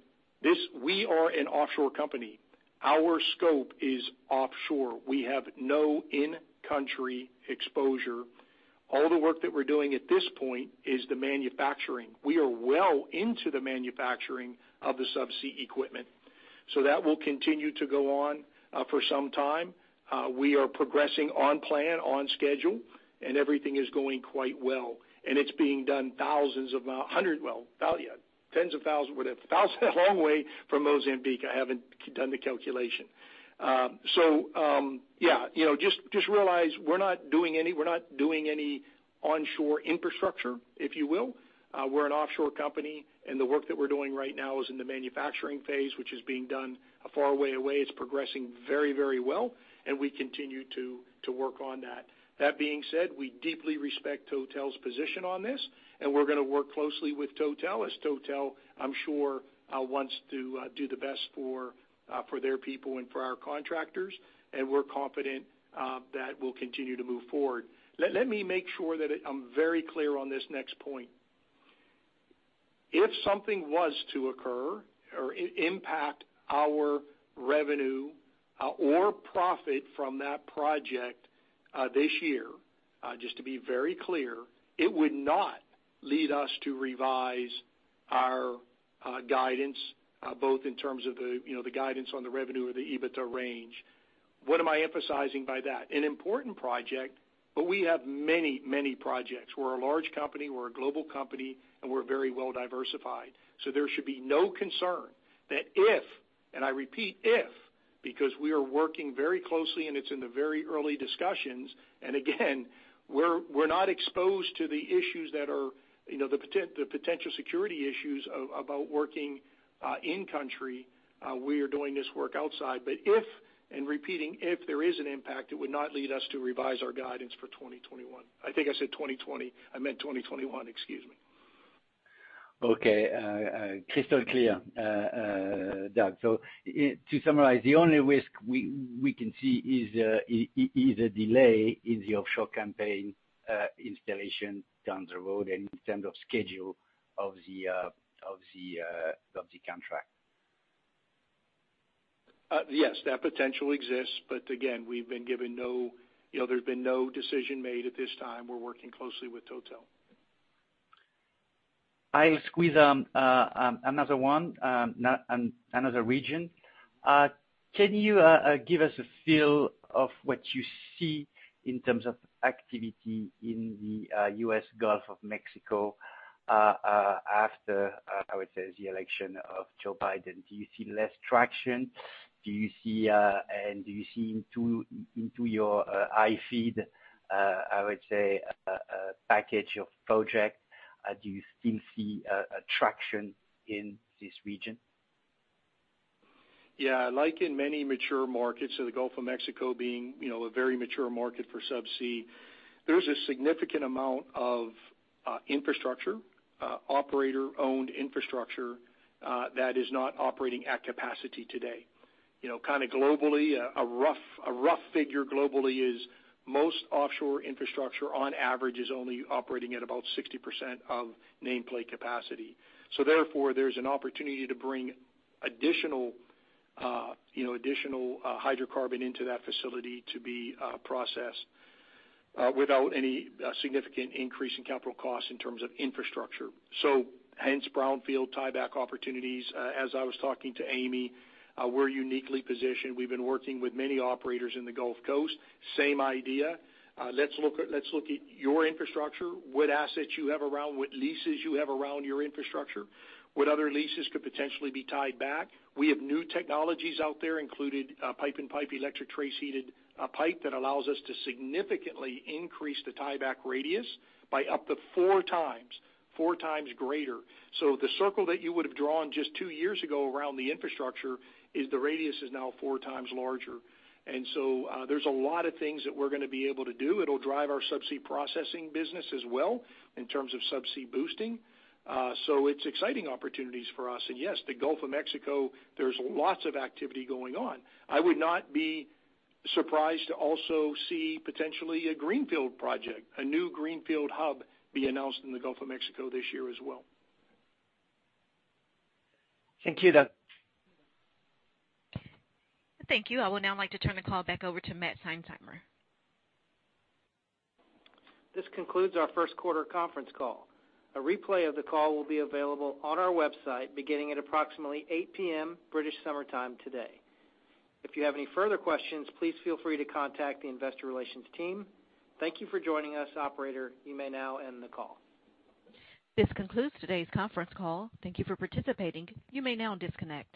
we are an offshore company. Our scope is offshore. We have no in-country exposure. All the work that we're doing at this point is the manufacturing. We are well into the manufacturing of the subsea equipment. That will continue to go on for some time. We are progressing on plan, on schedule, and everything is going quite well. It's being done well, tens of thousands. Thousands is a long way from Mozambique. I haven't done the calculation. Yeah. Just realize we're not doing any onshore infrastructure, if you will. We're an offshore company, and the work that we're doing right now is in the manufacturing phase, which is being done far away. It's progressing very well, and we continue to work on that. That being said, we deeply respect Total's position on this, and we're going to work closely with Total as Total, I'm sure, wants to do the best for their people and for our contractors. We're confident that we'll continue to move forward. Let me make sure that I'm very clear on this next point. If something was to occur or impact our revenue or profit from that project this year, just to be very clear, it would not lead us to revise our guidance, both in terms of the guidance on the revenue or the EBITDA range. What am I emphasizing by that? An important project, but we have many projects. We're a large company, we're a global company, and we're very well diversified. There should be no concern that if, and I repeat, if, because we are working very closely and it's in the very early discussions. Again, we're not exposed to the potential security issues about working in country. We are doing this work outside. If, and repeating, if there is an impact, it would not lead us to revise our guidance for 2021. I think I said 2020. I meant 2021. Excuse me. Okay. Crystal clear, Doug. To summarize, the only risk we can see is a delay in the offshore campaign installation down the road and in terms of schedule of the contract. Yes, that potential exists. Again, there's been no decision made at this time. We're working closely with Total. I'll squeeze another one, another region. Can you give us a feel of what you see in terms of activity in the U.S. Gulf of Mexico after, I would say, the election of Joe Biden? Do you see less traction? Do you see into your iFEED, I would say, a package of projects? Do you still see a traction in this region? Yeah. Like in many mature markets, so the Gulf of Mexico being a very mature market for subsea, there's a significant amount of infrastructure, operator-owned infrastructure, that is not operating at capacity today. Globally, a rough figure globally is most offshore infrastructure, on average, is only operating at about 60% of nameplate capacity. Therefore, there's an opportunity to bring additional hydrocarbon into that facility to be processed without any significant increase in capital costs in terms of infrastructure. Hence, brownfield tieback opportunities. As I was talking to Amy, we're uniquely positioned. We've been working with many operators in the Gulf Coast. Same idea. Let's look at your infrastructure, what assets you have around, what leases you have around your infrastructure, what other leases could potentially be tied back. We have new technologies out there, including Electrically Trace Heated Pipe-in-Pipe that allows us to significantly increase the tieback radius by up to four times greater. The circle that you would've drawn just two years ago around the infrastructure, the radius is now four times larger. There's a lot of things that we're going to be able to do. It'll drive our subsea processing business as well in terms of subsea boosting. It's exciting opportunities for us. Yes, the Gulf of Mexico, there's lots of activity going on. I would not be surprised to also see potentially a greenfield project, a new greenfield hub be announced in the Gulf of Mexico this year as well. Thank you, Doug. Thank you. I would now like to turn the call back over to Matt Seinsheimer. This concludes our first quarter conference call. A replay of the call will be available on our website beginning at approximately 8:00 P.M. British Summer Time today. If you have any further questions, please feel free to contact the investor relations team. Thank you for joining us. Operator, you may now end the call. This concludes today's conference call. Thank you for participating. You may now disconnect.